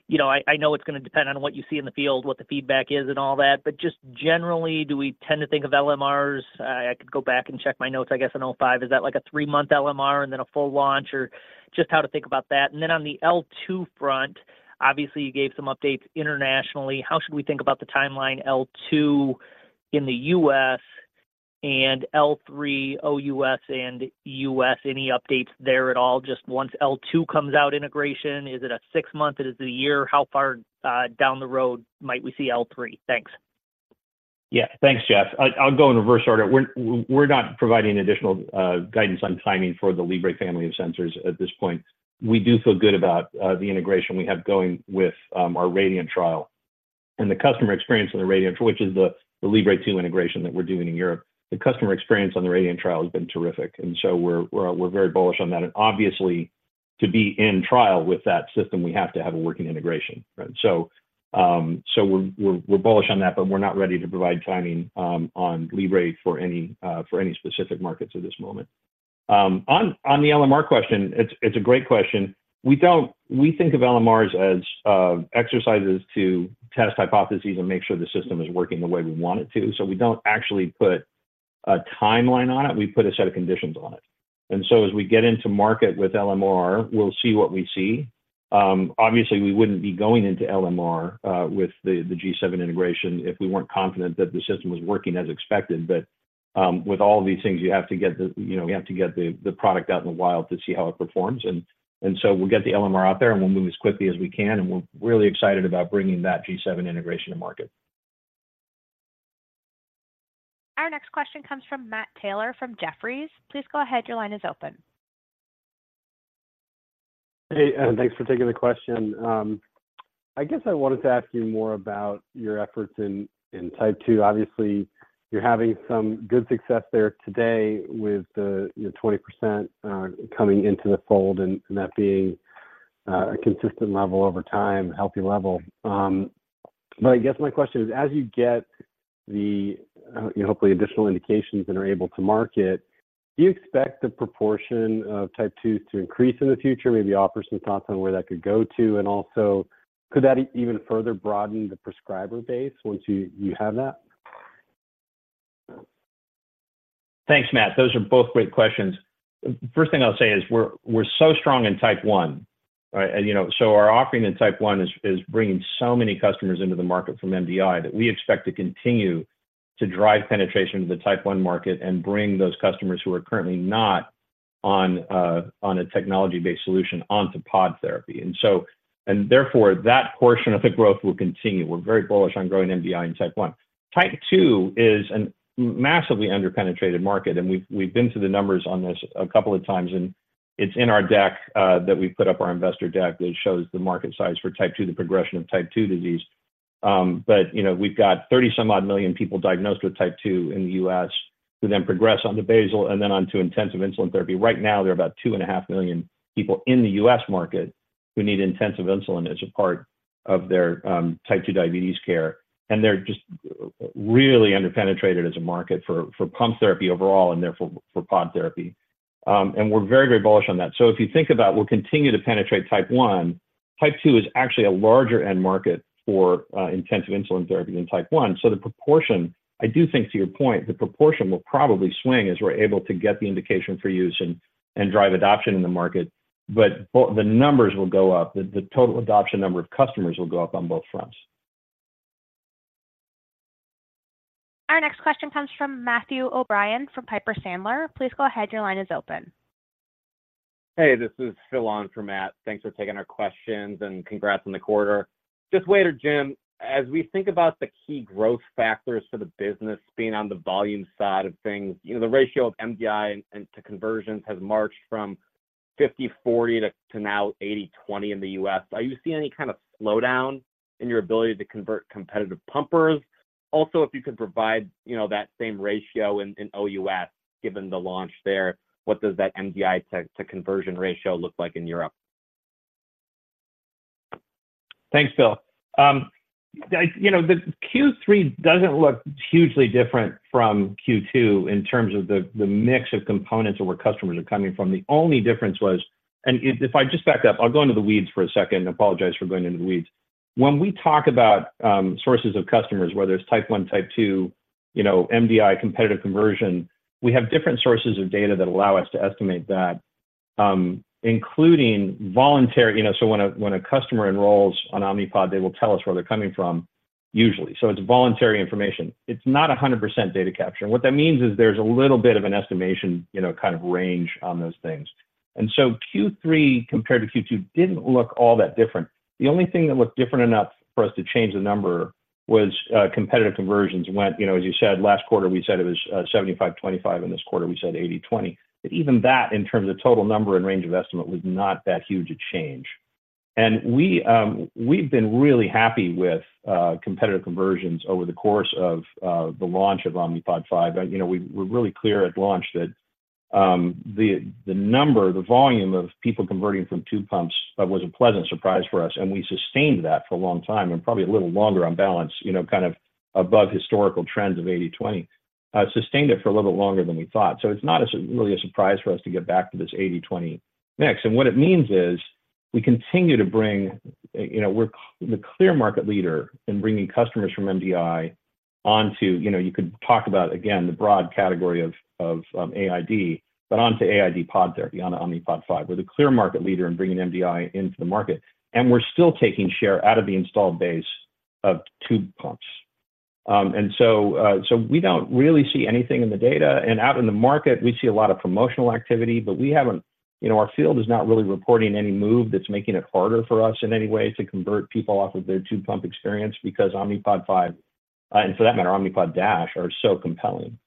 you know, I know it's gonna depend on what you see in the field, what the feedback is and all that, but just generally, do we tend to think of LMRs, I could go back and check my notes, I guess, on '05. Is that like a three-month LMR and then a full launch, or just how to think about that? And then on the L2 front, obviously, you gave some updates internationally. How should we think about the timeline L2 in the U.S. and L3, OUS and US? Any updates there at all? Just once L2 comes out, integration, is it a six month? Is it a year? How far down the road might we see L3? Thanks. Yeah. Thanks, Jeff. I'll go in reverse order. We're not providing additional guidance on timing for the Libre family of sensors at this point. We do feel good about the integration we have going with our Radiant trial. And the customer experience on the Radiant, which is the Libre 2 integration that we're doing in Europe. The customer experience on the Radiant trial has been terrific, and so we're very bullish on that. And obviously, to be in trial with that system, we have to have a working integration, right? So, we're bullish on that, but we're not ready to provide timing on Libre for any specific markets at this moment. On the LMR question, it's a great question. We don't, we think of LMRs as exercises to test hypotheses and make sure the system is working the way we want it to. So we don't actually put a timeline on it, we put a set of conditions on it. So as we get into market with LMR, we'll see what we see. Obviously, we wouldn't be going into LMR with the G7 integration if we weren't confident that the system was working as expected. But with all of these things, you know, you have to get the product out in the wild to see how it performs. So we'll get the LMR out there, and we'll move as quickly as we can, and we're really excited about bringing that G7 integration to market. Our next question comes from Matt Taylor from Jefferies. Please go ahead. Your line is open. Hey, and thanks for taking the question. I guess I wanted to ask you more about your efforts in type 2. Obviously, you're having some good success there today with the, you know, 20%, coming into the fold and that being a consistent level over time, healthy level. But I guess my question is, as you get the, you know, hopefully additional indications and are able to market, do you expect the proportion of type 2s to increase in the future? Maybe offer some thoughts on where that could go to, and also, could that even further broaden the prescriber base once you have that? Thanks, Matt. Those are both great questions. First thing I'll say is we're so strong in type 1, right? You know, so our offering in type 1 is bringing so many customers into the market from MDI that we expect to continue to drive penetration into the type 1 market and bring those customers who are currently not on a technology-based solution onto pod therapy. And so, and therefore, that portion of the growth will continue. We're very bullish on growing MDI in type 1. Type 2 is a massively underpenetrated market, and we've been through the numbers on this a couple of times, and it's in our deck that we put up our investor deck that shows the market size for type 2, the progression of type 2 disease. But, you know, we've got 30-some odd million people diagnosed with type 2 in the U.S., who then progress onto basal and then onto intensive insulin therapy. Right now, there are about 2.5 million people in the U.S. market who need intensive insulin as a part of their type 2 diabetes care, and they're just really underpenetrated as a market for pump therapy overall and therefore for pod therapy. And we're very, very bullish on that. So if you think about, we'll continue to penetrate type 1. Type 2 is actually a larger end market for intensive insulin therapy than type 1. So the proportion - I do think to your point, the proportion will probably swing as we're able to get the indication for use and drive adoption in the market. But the numbers will go up. The total adoption number of customers will go up on both fronts. Our next question comes from Matthew O'Brien from Piper Sandler. Please go ahead. Your line is open. Hey, this is Phil on for Matt. Thanks for taking our questions, and congrats on the quarter. Just later, Jim, as we think about the key growth factors for the business being on the volume side of things, you know, the ratio of MDI to conversions has marched from 50/40 to, to now 80/20 in the U.S. Are you seeing any kind of slowdown in your ability to convert competitive pumpers? Also, if you could provide, you know, that same ratio in, in OUS, given the launch there, what does that MDI to, to conversion ratio look like in Europe? Thanks, Phil. You know, the Q3 doesn't look hugely different from Q2 in terms of the, the mix of components or where customers are coming from. The only difference was... And if, if I just back up, I'll go into the weeds for a second. Apologize for going into the weeds. When we talk about sources of customers, whether it's type one, type two, you know, MDI, competitive conversion, we have different sources of data that allow us to estimate that, including voluntary. You know, so when a, when a customer enrolls on Omnipod, they will tell us where they're coming from, usually. So it's voluntary information. It's not 100% data capture. What that means is there's a little bit of an estimation, you know, kind of range on those things. And so Q3, compared to Q2, didn't look all that different. The only thing that looked different enough for us to change the number was competitive conversions went—you know, as you said, last quarter, we said it was 75/25. In this quarter, we said 80/20. But even that, in terms of total number and range of estimate, was not that huge a change. And we, we've been really happy with competitive conversions over the course of the launch of Omnipod 5. You know, we were really clear at launch that the number, the volume of people converting from tube pumps was a pleasant surprise for us, and we sustained that for a long time, and probably a little longer on balance, you know, kind of above historical trends of 80/20. Sustained it for a little bit longer than we thought. So it's not really a surprise for us to get back to this 80/20 mix. And what it means is we continue to bring, you know. We're the clear market leader in bringing customers from MDI onto, you know, you could talk about, again, the broad category of AID, but onto AID pod therapy on Omnipod 5. We're the clear market leader in bringing MDI into the market, and we're still taking share out of the installed base of tube pumps. So we don't really see anything in the data. Out in the market, we see a lot of promotional activity, but we haven't, you know, our field is not really reporting any move that's making it harder for us in any way to convert people off of their tube pump experience because Omnipod 5, and for that matter, Omnipod DASH, are so compelling.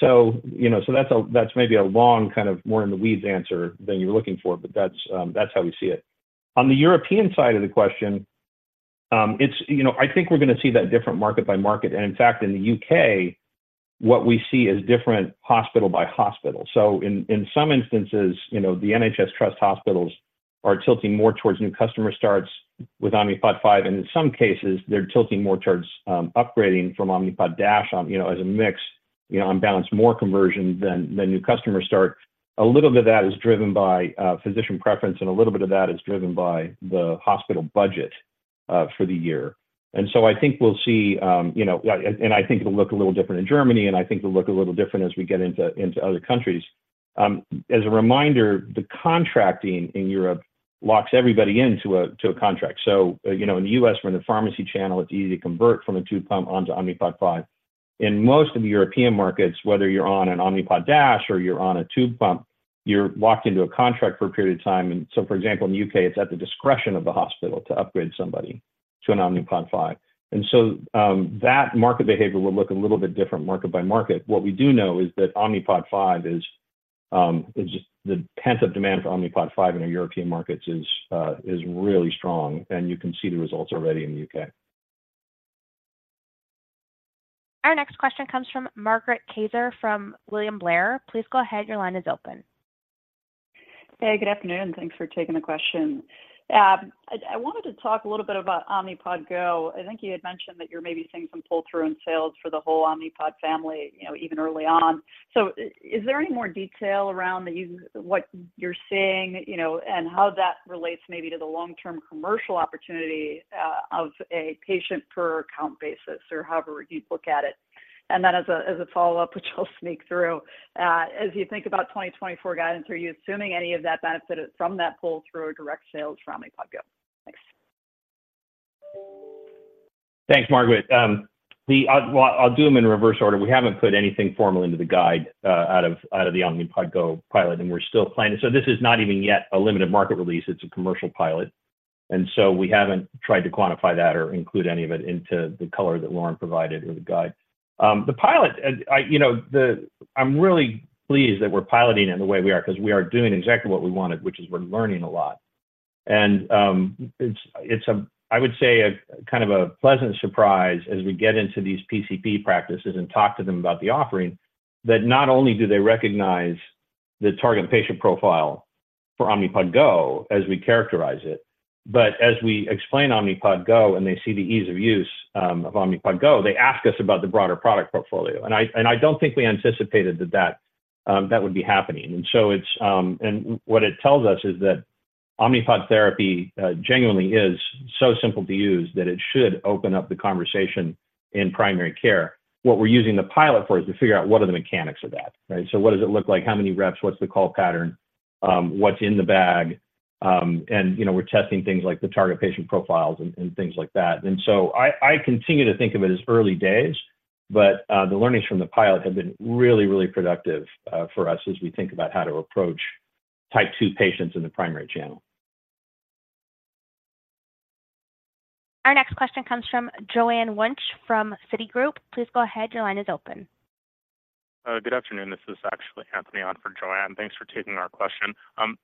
So, you know, so that's a, that's maybe a long, kind of, more in the weeds answer than you're looking for, but that's, that's how we see it. On the European side of the question, it's, you know, I think we're going to see that different market by market. In fact, in the U.K., what we see is different hospital by hospital. So in some instances, you know, the NHS Trust hospitals are tilting more towards new customer starts with Omnipod 5, and in some cases, they're tilting more towards upgrading from Omnipod DASH, you know, as a mix, you know, on balance, more conversion than new customer start. A little bit of that is driven by physician preference, and a little bit of that is driven by the hospital budget for the year. And so I think we'll see, you know. And I think it'll look a little different in Germany, and I think it'll look a little different as we get into other countries. As a reminder, the contracting in Europe locks everybody into a contract. So, you know, in the U.S., from the pharmacy channel, it's easy to convert from a tube pump onto Omnipod 5. In most of the European markets, whether you're on an Omnipod DASH or you're on a tube pump, you're locked into a contract for a period of time. And so, for example, in the U.K., it's at the discretion of the hospital to upgrade somebody to an Omnipod 5. And so, that market behavior will look a little bit different market by market. What we do know is that Omnipod 5 is just the pent-up demand for Omnipod 5 in the European markets is really strong, and you can see the results already in the U.K. Our next question comes from Margaret Kaczor from William Blair. Please go ahead. Your line is open. Hey, good afternoon. Thanks for taking the question. I wanted to talk a little bit about Omnipod GO. I think you had mentioned that you're maybe seeing some pull-through in sales for the whole Omnipod family, you know, even early on. So is there any more detail around the U.S., what you're seeing, you know, and how that relates maybe to the long-term commercial opportunity of a patient-per-account basis or however you'd look at it? And then as a follow-up, which I'll sneak through, as you think about 2024 guidance, are you assuming any of that benefit is from that pull-through or direct sales from Omnipod GO? Thanks. Thanks, Margaret. Well, I'll do them in reverse order. We haven't put anything formally into the guide, out of, out of the Omnipod GO pilot, and we're still planning. So this is not even yet a limited market release. It's a commercial pilot, and so we haven't tried to quantify that or include any of it into the color that Lauren provided or the guide. The pilot, you know, I'm really pleased that we're piloting it the way we are because we are doing exactly what we wanted, which is we're learning a lot. And it's a kind of a pleasant surprise as we get into these PCP practices and talk to them about the offering. that not only do they recognize the target patient profile for Omnipod GO as we characterize it, but as we explain Omnipod GO and they see the ease of use of Omnipod GO, they ask us about the broader product portfolio. And I don't think we anticipated that that would be happening. And so it's, and what it tells us is that Omnipod therapy genuinely is so simple to use that it should open up the conversation in primary care. What we're using the pilot for is to figure out what are the mechanics of that, right? So what does it look like? How many reps? What's the call pattern? What's in the bag? And, you know, we're testing things like the target patient profiles and things like that. So I continue to think of it as early days, but the learnings from the pilot have been really, really productive for us as we think about how to approach type 2 patients in the primary channel. Our next question comes from Joanne Wuensch from Citigroup. Please go ahead. Your line is open. Good afternoon. This is actually Anthony on for Joanne. Thanks for taking our question.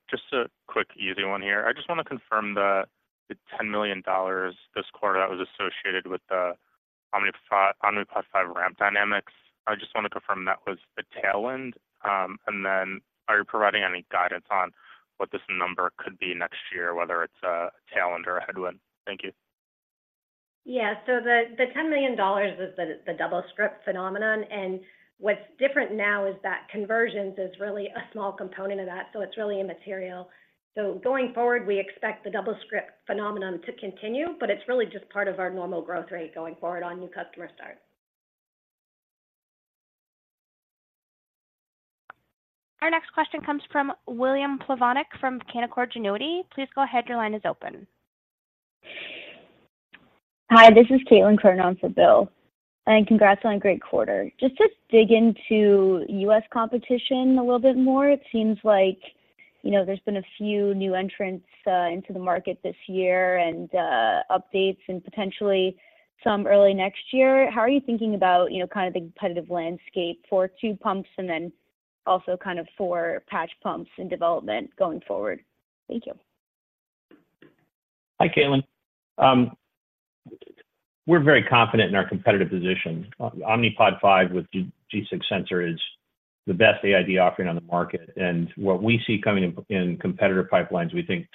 Just a quick, easy one here. I just want to confirm the ten million dollars this quarter that was associated with the Omnipod 5, Omnipod 5 ramp dynamics. I just want to confirm that was the tail end. And then are you providing any guidance on what this number could be next year, whether it's a tailwind or a headwind? Thank you. Yeah. So the $10 million is the double script phenomenon, and what's different now is that conversions is really a small component of that, so it's really immaterial. So going forward, we expect the double script phenomenon to continue, but it's really just part of our normal growth rate going forward on new customer start. Our next question comes from William Plovanic from Canaccord Genuity. Please go ahead. Your line is open. Hi, this is Caitlin Cronin for Bill, and congrats on a great quarter. Just to dig into U.S. competition a little bit more, it seems like, you know, there's been a few new entrants into the market this year and, updates and potentially some early next year. How are you thinking about, you know, kind of the competitive landscape for tube pumps and then also kind of for patch pumps in development going forward? Thank you. Hi, Caitlin. We're very confident in our competitive position. Omnipod 5 with G6 sensor is the best AID offering on the market. And what we see coming in competitor pipelines, we think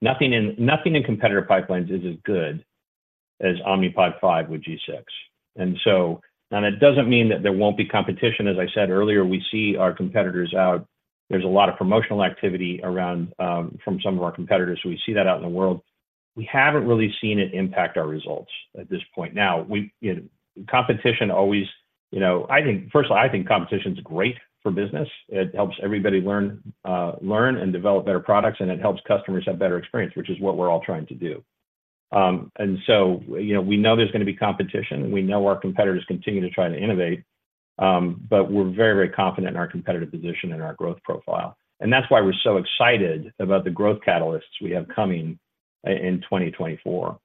nothing in competitor pipelines is as good as Omnipod 5 with G6. And so... Now, that doesn't mean that there won't be competition. As I said earlier, we see our competitors out. There's a lot of promotional activity around from some of our competitors, we see that out in the world. We haven't really seen it impact our results at this point. Now, we, you know, competition always, you know, I think, first of all, I think competition is great for business. It helps everybody learn and develop better products, and it helps customers have better experience, which is what we're all trying to do. And so, you know, we know there's going to be competition. We know our competitors continue to try to innovate, but we're very, very confident in our competitive position and our growth profile. And that's why we're so excited about the growth catalysts we have coming in 2024.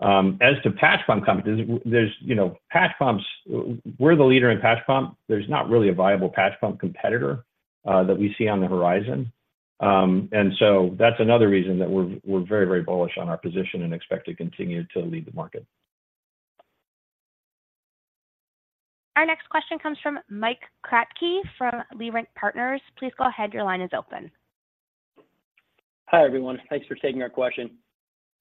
As to patch pump companies, there's, you know, patch pumps, we're the leader in patch pump. There's not really a viable patch pump competitor that we see on the horizon. And so that's another reason that we're, we're very, very bullish on our position and expect to continue to lead the market. Our next question comes from Mike Kratky from Leerink Partners. Please go ahead. Your line is open. Hi, everyone. Thanks for taking our question.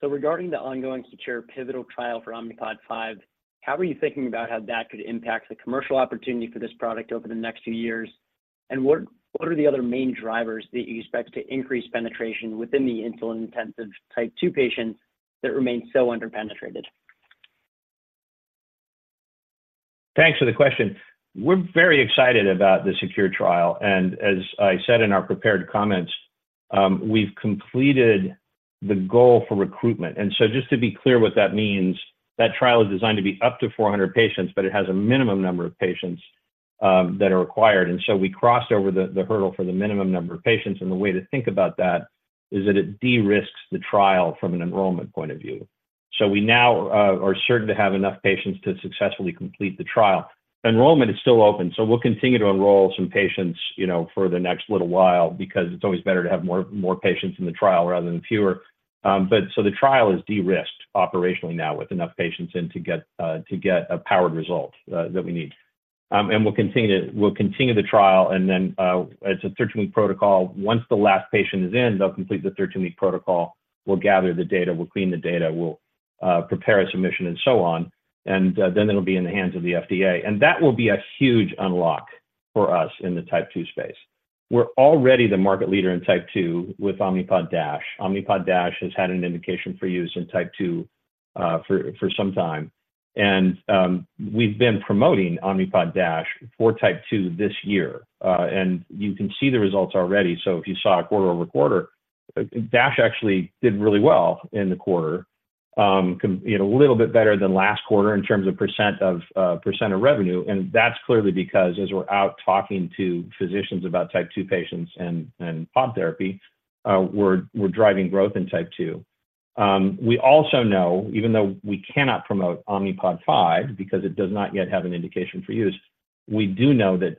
So regarding the ongoing SECURE pivotal trial for Omnipod 5, how are you thinking about how that could impact the commercial opportunity for this product over the next few years? And what are the other main drivers that you expect to increase penetration within the insulin-intensive type 2 patients that remain so underpenetrated? Thanks for the question. We're very excited about the SECURE trial, and as I said in our prepared comments, we've completed the goal for recruitment. And so just to be clear what that means, that trial is designed to be up to 400 patients, but it has a minimum number of patients that are required. And so we crossed over the hurdle for the minimum number of patients, and the way to think about that is that it de-risks the trial from an enrollment point of view. So we now are certain to have enough patients to successfully complete the trial. Enrollment is still open, so we'll continue to enroll some patients, you know, for the next little while because it's always better to have more patients in the trial rather than fewer. But so the trial is de-risked operationally now with enough patients in to get, to get a powered result that we need. And we'll continue the trial, and then it's a 13-week protocol. Once the last patient is in, they'll complete the 13-week protocol. We'll gather the data, we'll clean the data, we'll prepare a submission, and so on. And then it'll be in the hands of the FDA, and that will be a huge unlock for us in the type 2 space. We're already the market leader in type 2 with Omnipod DASH. Omnipod DASH has had an indication for use in type 2 for some time, and we've been promoting Omnipod DASH for type 2 this year. And you can see the results already. So if you saw a quarter-over-quarter, DASH actually did really well in the quarter, you know, a little bit better than last quarter in terms of percent of, percent of revenue. And that's clearly because as we're out talking to physicians about type 2 patients and, and Pod therapy, we're, we're driving growth in type 2. We also know, even though we cannot promote Omnipod 5 because it does not yet have an indication for use, we do know that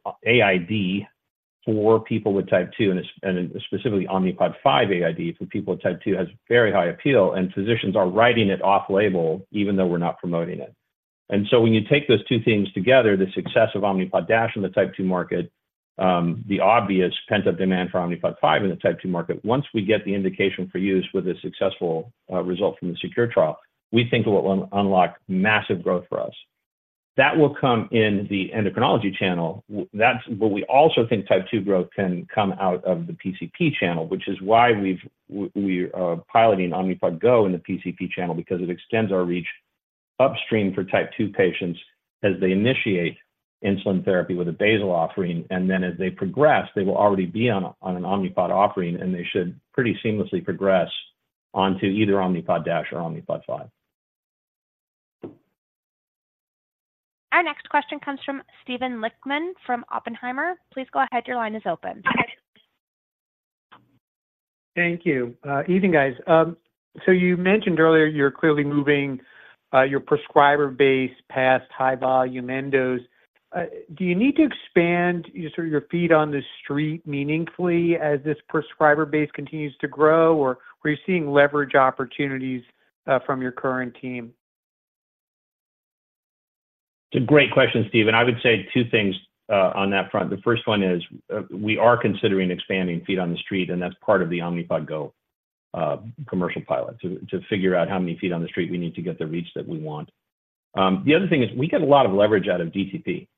AID for people with type 2 and, and specifically Omnipod 5 AID for people with type 2 has very high appeal, and physicians are writing it off-label even though we're not promoting it. When you take those two things together, the success of Omnipod DASH in the type 2 market, the obvious pent-up demand for Omnipod 5 in the type 2 market. Once we get the indication for use with a successful result from the SECURE trial, we think it will unlock massive growth for us. That will come in the endocrinology channel. That's but we also think type 2 growth can come out of the PCP channel, which is why we are piloting Omnipod GO in the PCP channel because it extends our reach upstream for type 2 patients as they initiate insulin therapy with a basal offering, and then as they progress, they will already be on an Omnipod offering, and they should pretty seamlessly progress onto either Omnipod DASH or Omnipod 5. Our next question comes from Steven Lichtman from Oppenheimer. Please go ahead. Your line is open. Thank you. Evening, guys. So you mentioned earlier you're clearly moving your prescriber base past high-volume endos. Do you need to expand your sort of your feet on the street meaningfully as this prescriber base continues to grow, or are you seeing leverage opportunities from your current team? It's a great question, Steve, and I would say two things on that front. The first one is we are considering expanding feet on the street, and that's part of the Omnipod GO commercial pilot, to figure out how many feet on the street we need to get the reach that we want. The other thing is we get a lot of leverage out of DTP.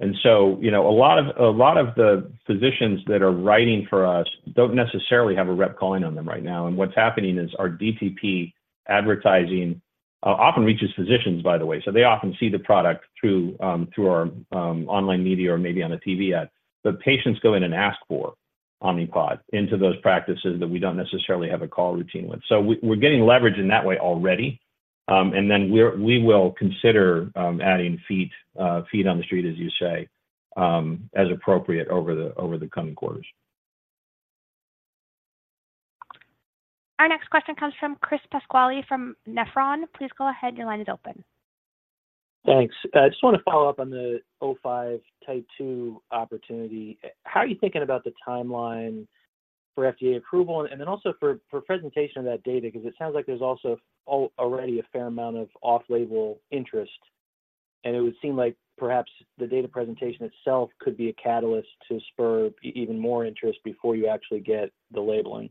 And so, you know, a lot of the physicians that are writing for us don't necessarily have a rep calling on them right now, and what's happening is our DTP advertising often reaches physicians, by the way. So they often see the product through our online media or maybe on a TV ad. But patients go in and ask for Omnipod into those practices that we don't necessarily have a call routine with. So we're getting leverage in that way already. And then we will consider adding feet on the street, as you say, as appropriate over the coming quarters. Our next question comes from Chris Pasquale from Nephron. Please go ahead. Your line is open. Thanks. I just want to follow up on the Omnipod 5, type 2 opportunity. How are you thinking about the timeline for FDA approval and then also for presentation of that data? Because it sounds like there's also already a fair amount of off-label interest, and it would seem like perhaps the data presentation itself could be a catalyst to spur even more interest before you actually get the labeling.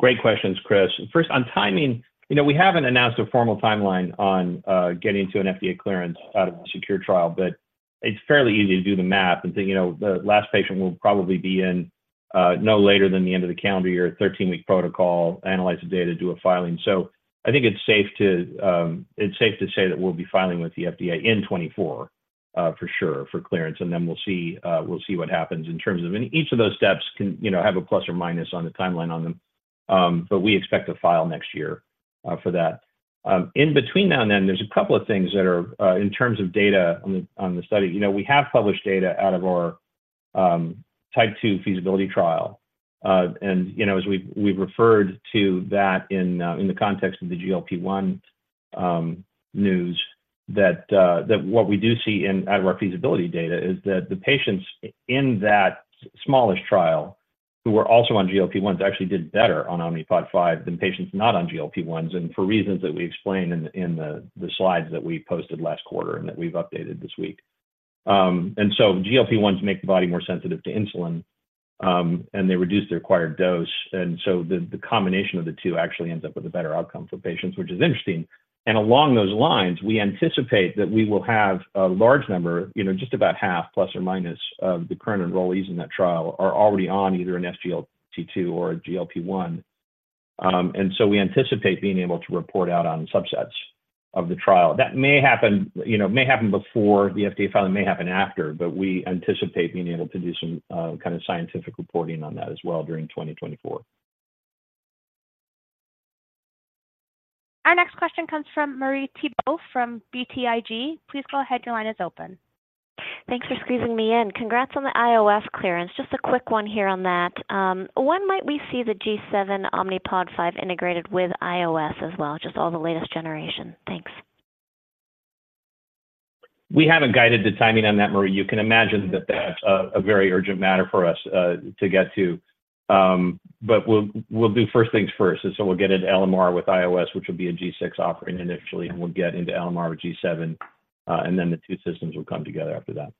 Great questions, Chris. First, on timing, you know, we haven't announced a formal timeline on getting to an FDA clearance out of the SECURE trial, but it's fairly easy to do the math and think, you know, the last patient will probably be in no later than the end of the calendar year, 13-week protocol, analyze the data, do a filing. So I think it's safe to, it's safe to say that we'll be filing with the FDA in 2024, for sure, for clearance, and then we'll see, we'll see what happens in terms of... And each of those steps can, you know, have a plus or minus on the timeline on them. But we expect to file next year, for that. In between now and then, there's a couple of things that are in terms of data on the study. You know, we have published data out of our type 2 feasibility trial, and you know, as we've referred to that in the context of the GLP-1 news, that what we do see in our feasibility data is that the patients in that smallish trial, who were also on GLP-1s, actually did better on Omnipod 5 than patients not on GLP-1s, and for reasons that we explained in the slides that we posted last quarter and that we've updated this week. And so GLP-1s make the body more sensitive to insulin, and they reduce the required dose, and so the, the combination of the two actually ends up with a better outcome for patients, which is interesting. And along those lines, we anticipate that we will have a large number, you know, just about half plus or minus of the current enrollees in that trial are already on either an SGLT2 or a GLP-1. And so we anticipate being able to report out on subsets of the trial. That may happen, you know, may happen before the FDA filing, may happen after, but we anticipate being able to do some, kind of scientific reporting on that as well during 2024. Our next question comes from Marie Thibault from BTIG. Please go ahead. Your line is open. Thanks for squeezing me in. Congrats on the iOS clearance. Just a quick one here on that. When might we see the G7 Omnipod 5 integrated with iOS as well, just all the latest generation? Thanks. We haven't guided the timing on that, Marie. You can imagine that that's a very urgent matter for us to get to. But we'll do first things first. And so we'll get into LMR with iOS, which will be a G6 offering initially, and we'll get into LMR with G7, and then the two systems will come together after that.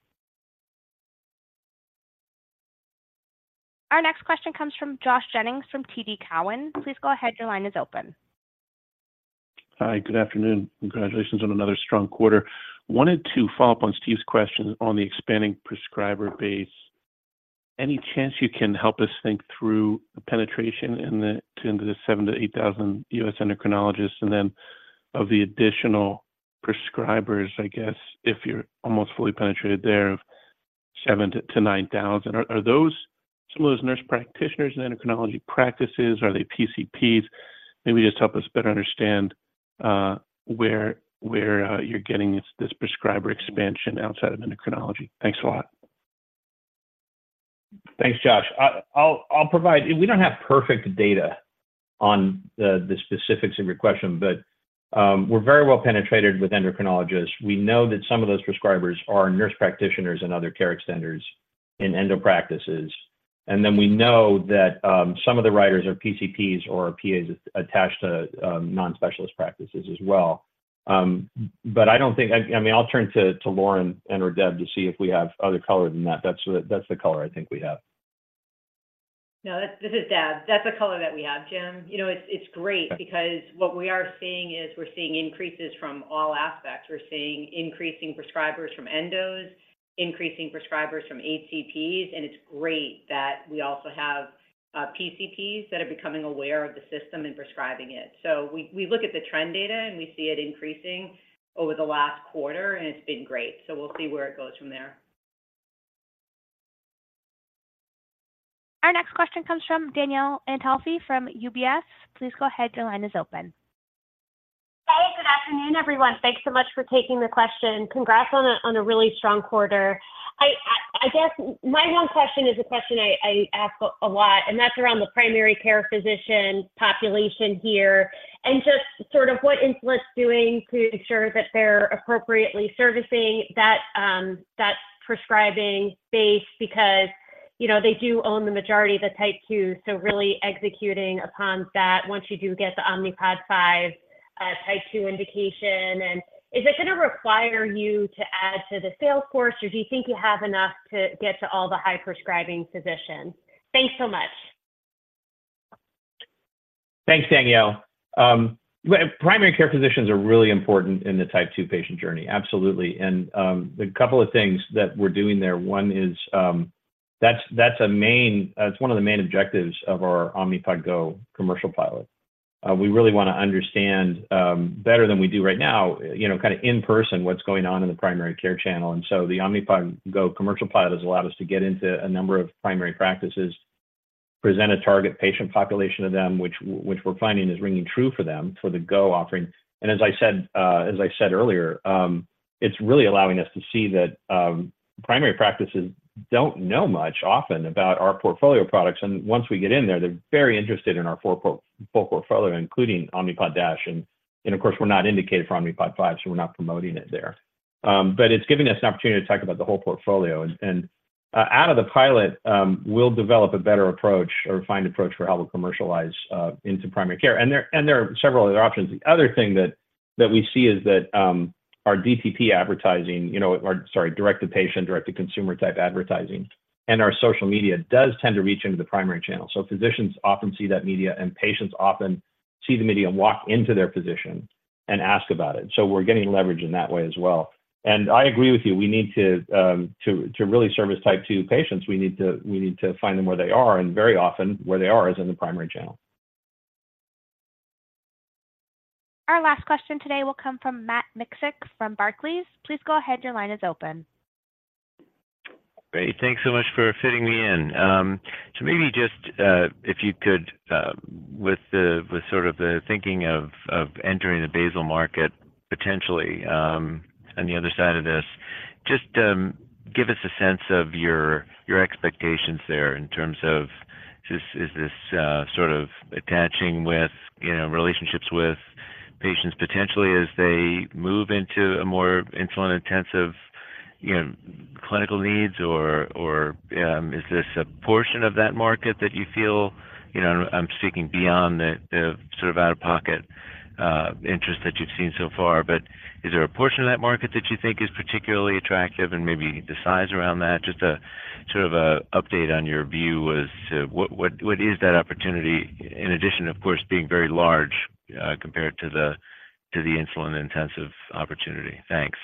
Our next question comes from Josh Jennings from TD Cowen. Please go ahead. Your line is open. Hi, good afternoon. Congratulations on another strong quarter. Wanted to follow up on Steve's question on the expanding prescriber base. Any chance you can help us think through the penetration into the 7,000-8,000 U.S. endocrinologists, and then of the additional prescribers, I guess, if you're almost fully penetrated there, of 7,000-9,000. Are those some of those nurse practitioners in endocrinology practices? Are they PCPs? Maybe just help us better understand where you're getting this prescriber expansion outside of endocrinology. Thanks a lot. Thanks, Josh. I'll provide-- We don't have perfect data on the specifics of your question, but we're very well penetrated with endocrinologists. We know that some of those prescribers are nurse practitioners and other care extenders in endo practices. And then we know that some of the writers are PCPs or PAs attached to non-specialist practices as well. But I don't think... I mean, I'll turn to Lauren and or Deb to see if we have other color than that. That's the color I think we have. No, this is Deb. That's a color that we have, Jim. You know, it's, it's great because what we are seeing is we're seeing increases from all aspects. We're seeing increasing prescribers from endos, increasing prescribers from HCPs, and it's great that we also have PCPs that are becoming aware of the system and prescribing it. So we, we look at the trend data, and we see it increasing over the last quarter, and it's been great. So we'll see where it goes from there. Our next question comes from Danielle Antalffy from UBS. Please go ahead. Your line is open. Hi, good afternoon, everyone. Thanks so much for taking the question. Congrats on a really strong quarter. I guess my one question is a question I ask a lot, and that's around the primary care physician population here, and just sort of what Insulet's doing to ensure that they're appropriately servicing that that prescribing base because, you know, they do own the majority of the type 2, so really executing upon that once you do get the Omnipod 5 type 2 indication. And is it gonna require you to add to the sales force, or do you think you have enough to get to all the high-prescribing physicians? Thanks so much. Thanks, Danielle. Well, primary care physicians are really important in the type 2 patient journey. Absolutely, and, the couple of things that we're doing there, one is, that's one of the main objectives of our Omnipod GO commercial pilot. We really want to understand, better than we do right now, you know, kind of in person, what's going on in the primary care channel. And so the Omnipod GO commercial pilot has allowed us to get into a number of primary practices, present a target patient population to them, which we're finding is ringing true for them for the GO offering. As I said, as I said earlier, it's really allowing us to see that primary practices don't know much often about our portfolio of products, and once we get in there, they're very interested in our full portfolio, including Omnipod DASH. And of course, we're not indicated for Omnipod 5, so we're not promoting it there. But it's giving us an opportunity to talk about the whole portfolio. And out of the pilot, we'll develop a better approach or refined approach for how we'll commercialize into primary care. And there are several other options. The other thing that we see is that our DTP advertising, you know, or sorry, direct-to-patient, direct-to-consumer type advertising, and our social media does tend to reach into the primary channel. So physicians often see that media, and patients often see the media and walk into their physician and ask about it. So we're getting leverage in that way as well. And I agree with you, we need to really service type 2 patients, we need to find them where they are, and very often, where they are is in the primary channel. Our last question today will come from Matt Miksic from Barclays. Please go ahead. Your line is open. Great. Thanks so much for fitting me in. So maybe just, if you could, with sort of the thinking of entering the basal market, potentially, on the other side of this, just, give us a sense of your expectations there in terms of just is this, sort of attaching with, you know, relationships with patients potentially as they move into a more insulin-intensive, you know, clinical needs, or, is this a portion of that market that you feel, you know, I'm speaking beyond the sort of out-of-pocket interest that you've seen so far. But is there a portion of that market that you think is particularly attractive and maybe the size around that? Just a sort of update on your view as to what is that opportunity, in addition, of course, being very large, compared to the insulin-intensive opportunity? Thanks.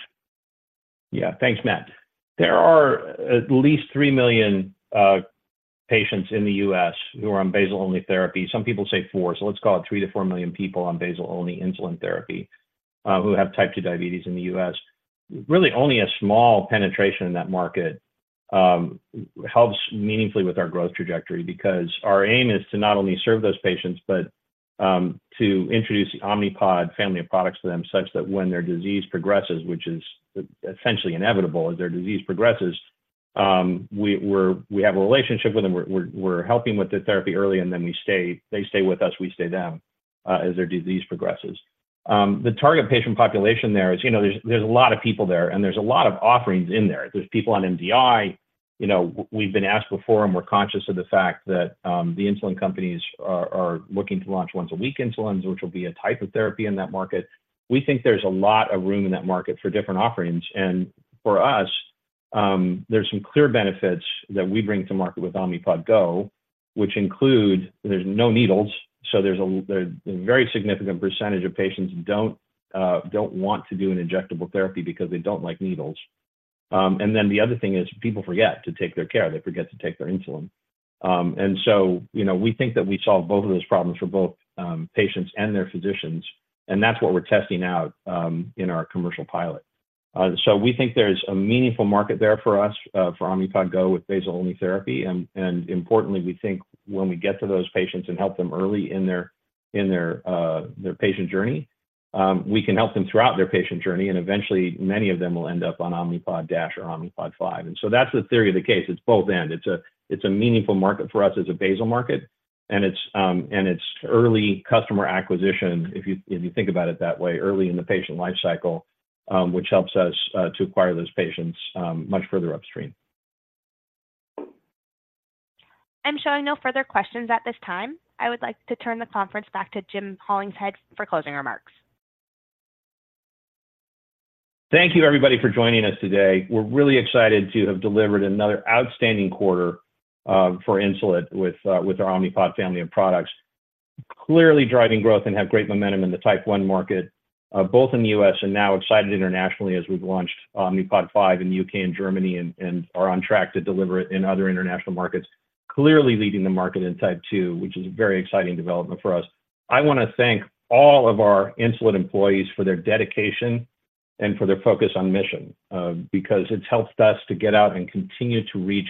Yeah. Thanks, Matt. There are at least 3 million patients in the U.S. who are on basal-only therapy. Some people say four, so let's call it 3 million-4 million people on basal-only insulin therapy who have type 2 diabetes in the U.S. Really only a small penetration in that market helps meaningfully with our growth trajectory because our aim is to not only serve those patients but to introduce the Omnipod family of products to them such that when their disease progresses, which is essentially inevitable, as their disease progresses, we have a relationship with them, we're helping with the therapy early, and then we stay. They stay with us, we stay them as their disease progresses. The target patient population there is, you know, there's a lot of people there, and there's a lot of offerings in there. There's people on MDI. You know, we've been asked before, and we're conscious of the fact that the insulin companies are looking to launch once-a-week insulins, which will be a type of therapy in that market. We think there's a lot of room in that market for different offerings, and for us, there's some clear benefits that we bring to market with Omnipod GO, which include there's no needles, so there's a very significant percentage of patients who don't want to do an injectable therapy because they don't like needles. And then the other thing is people forget to take their care. They forget to take their insulin. And so, you know, we think that we solve both of those problems for both patients and their physicians, and that's what we're testing out in our commercial pilot. So we think there's a meaningful market there for us for Omnipod GO with basal-only therapy. And importantly, we think when we get to those patients and help them early in their patient journey, we can help them throughout their patient journey, and eventually, many of them will end up on Omnipod DASH or Omnipod 5. And so that's the theory of the case. It's both end. It's a meaningful market for us as a basal market, and it's early customer acquisition, if you think about it that way, early in the patient life cycle, which helps us to acquire those patients much further upstream. I'm showing no further questions at this time. I would like to turn the conference back to Jim Hollingshead for closing remarks. Thank you, everybody, for joining us today. We're really excited to have delivered another outstanding quarter for Insulet with our Omnipod family of products. Clearly driving growth and have great momentum in the type 1 market both in the U.S. and now excited internationally as we've launched Omnipod 5 in U.K. and Germany and are on track to deliver it in other international markets. Clearly leading the market in type 2, which is a very exciting development for us. I want to thank all of our Insulet employees for their dedication and for their focus on mission because it's helped us to get out and continue to reach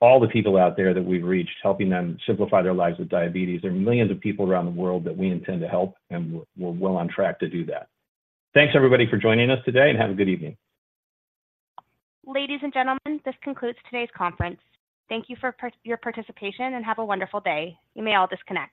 all the people out there that we've reached, helping them simplify their lives with diabetes. There are millions of people around the world that we intend to help, and we're, we're well on track to do that. Thanks, everybody, for joining us today, and have a good evening. Ladies and gentlemen, this concludes today's conference. Thank you for your participation, and have a wonderful day. You may all disconnect.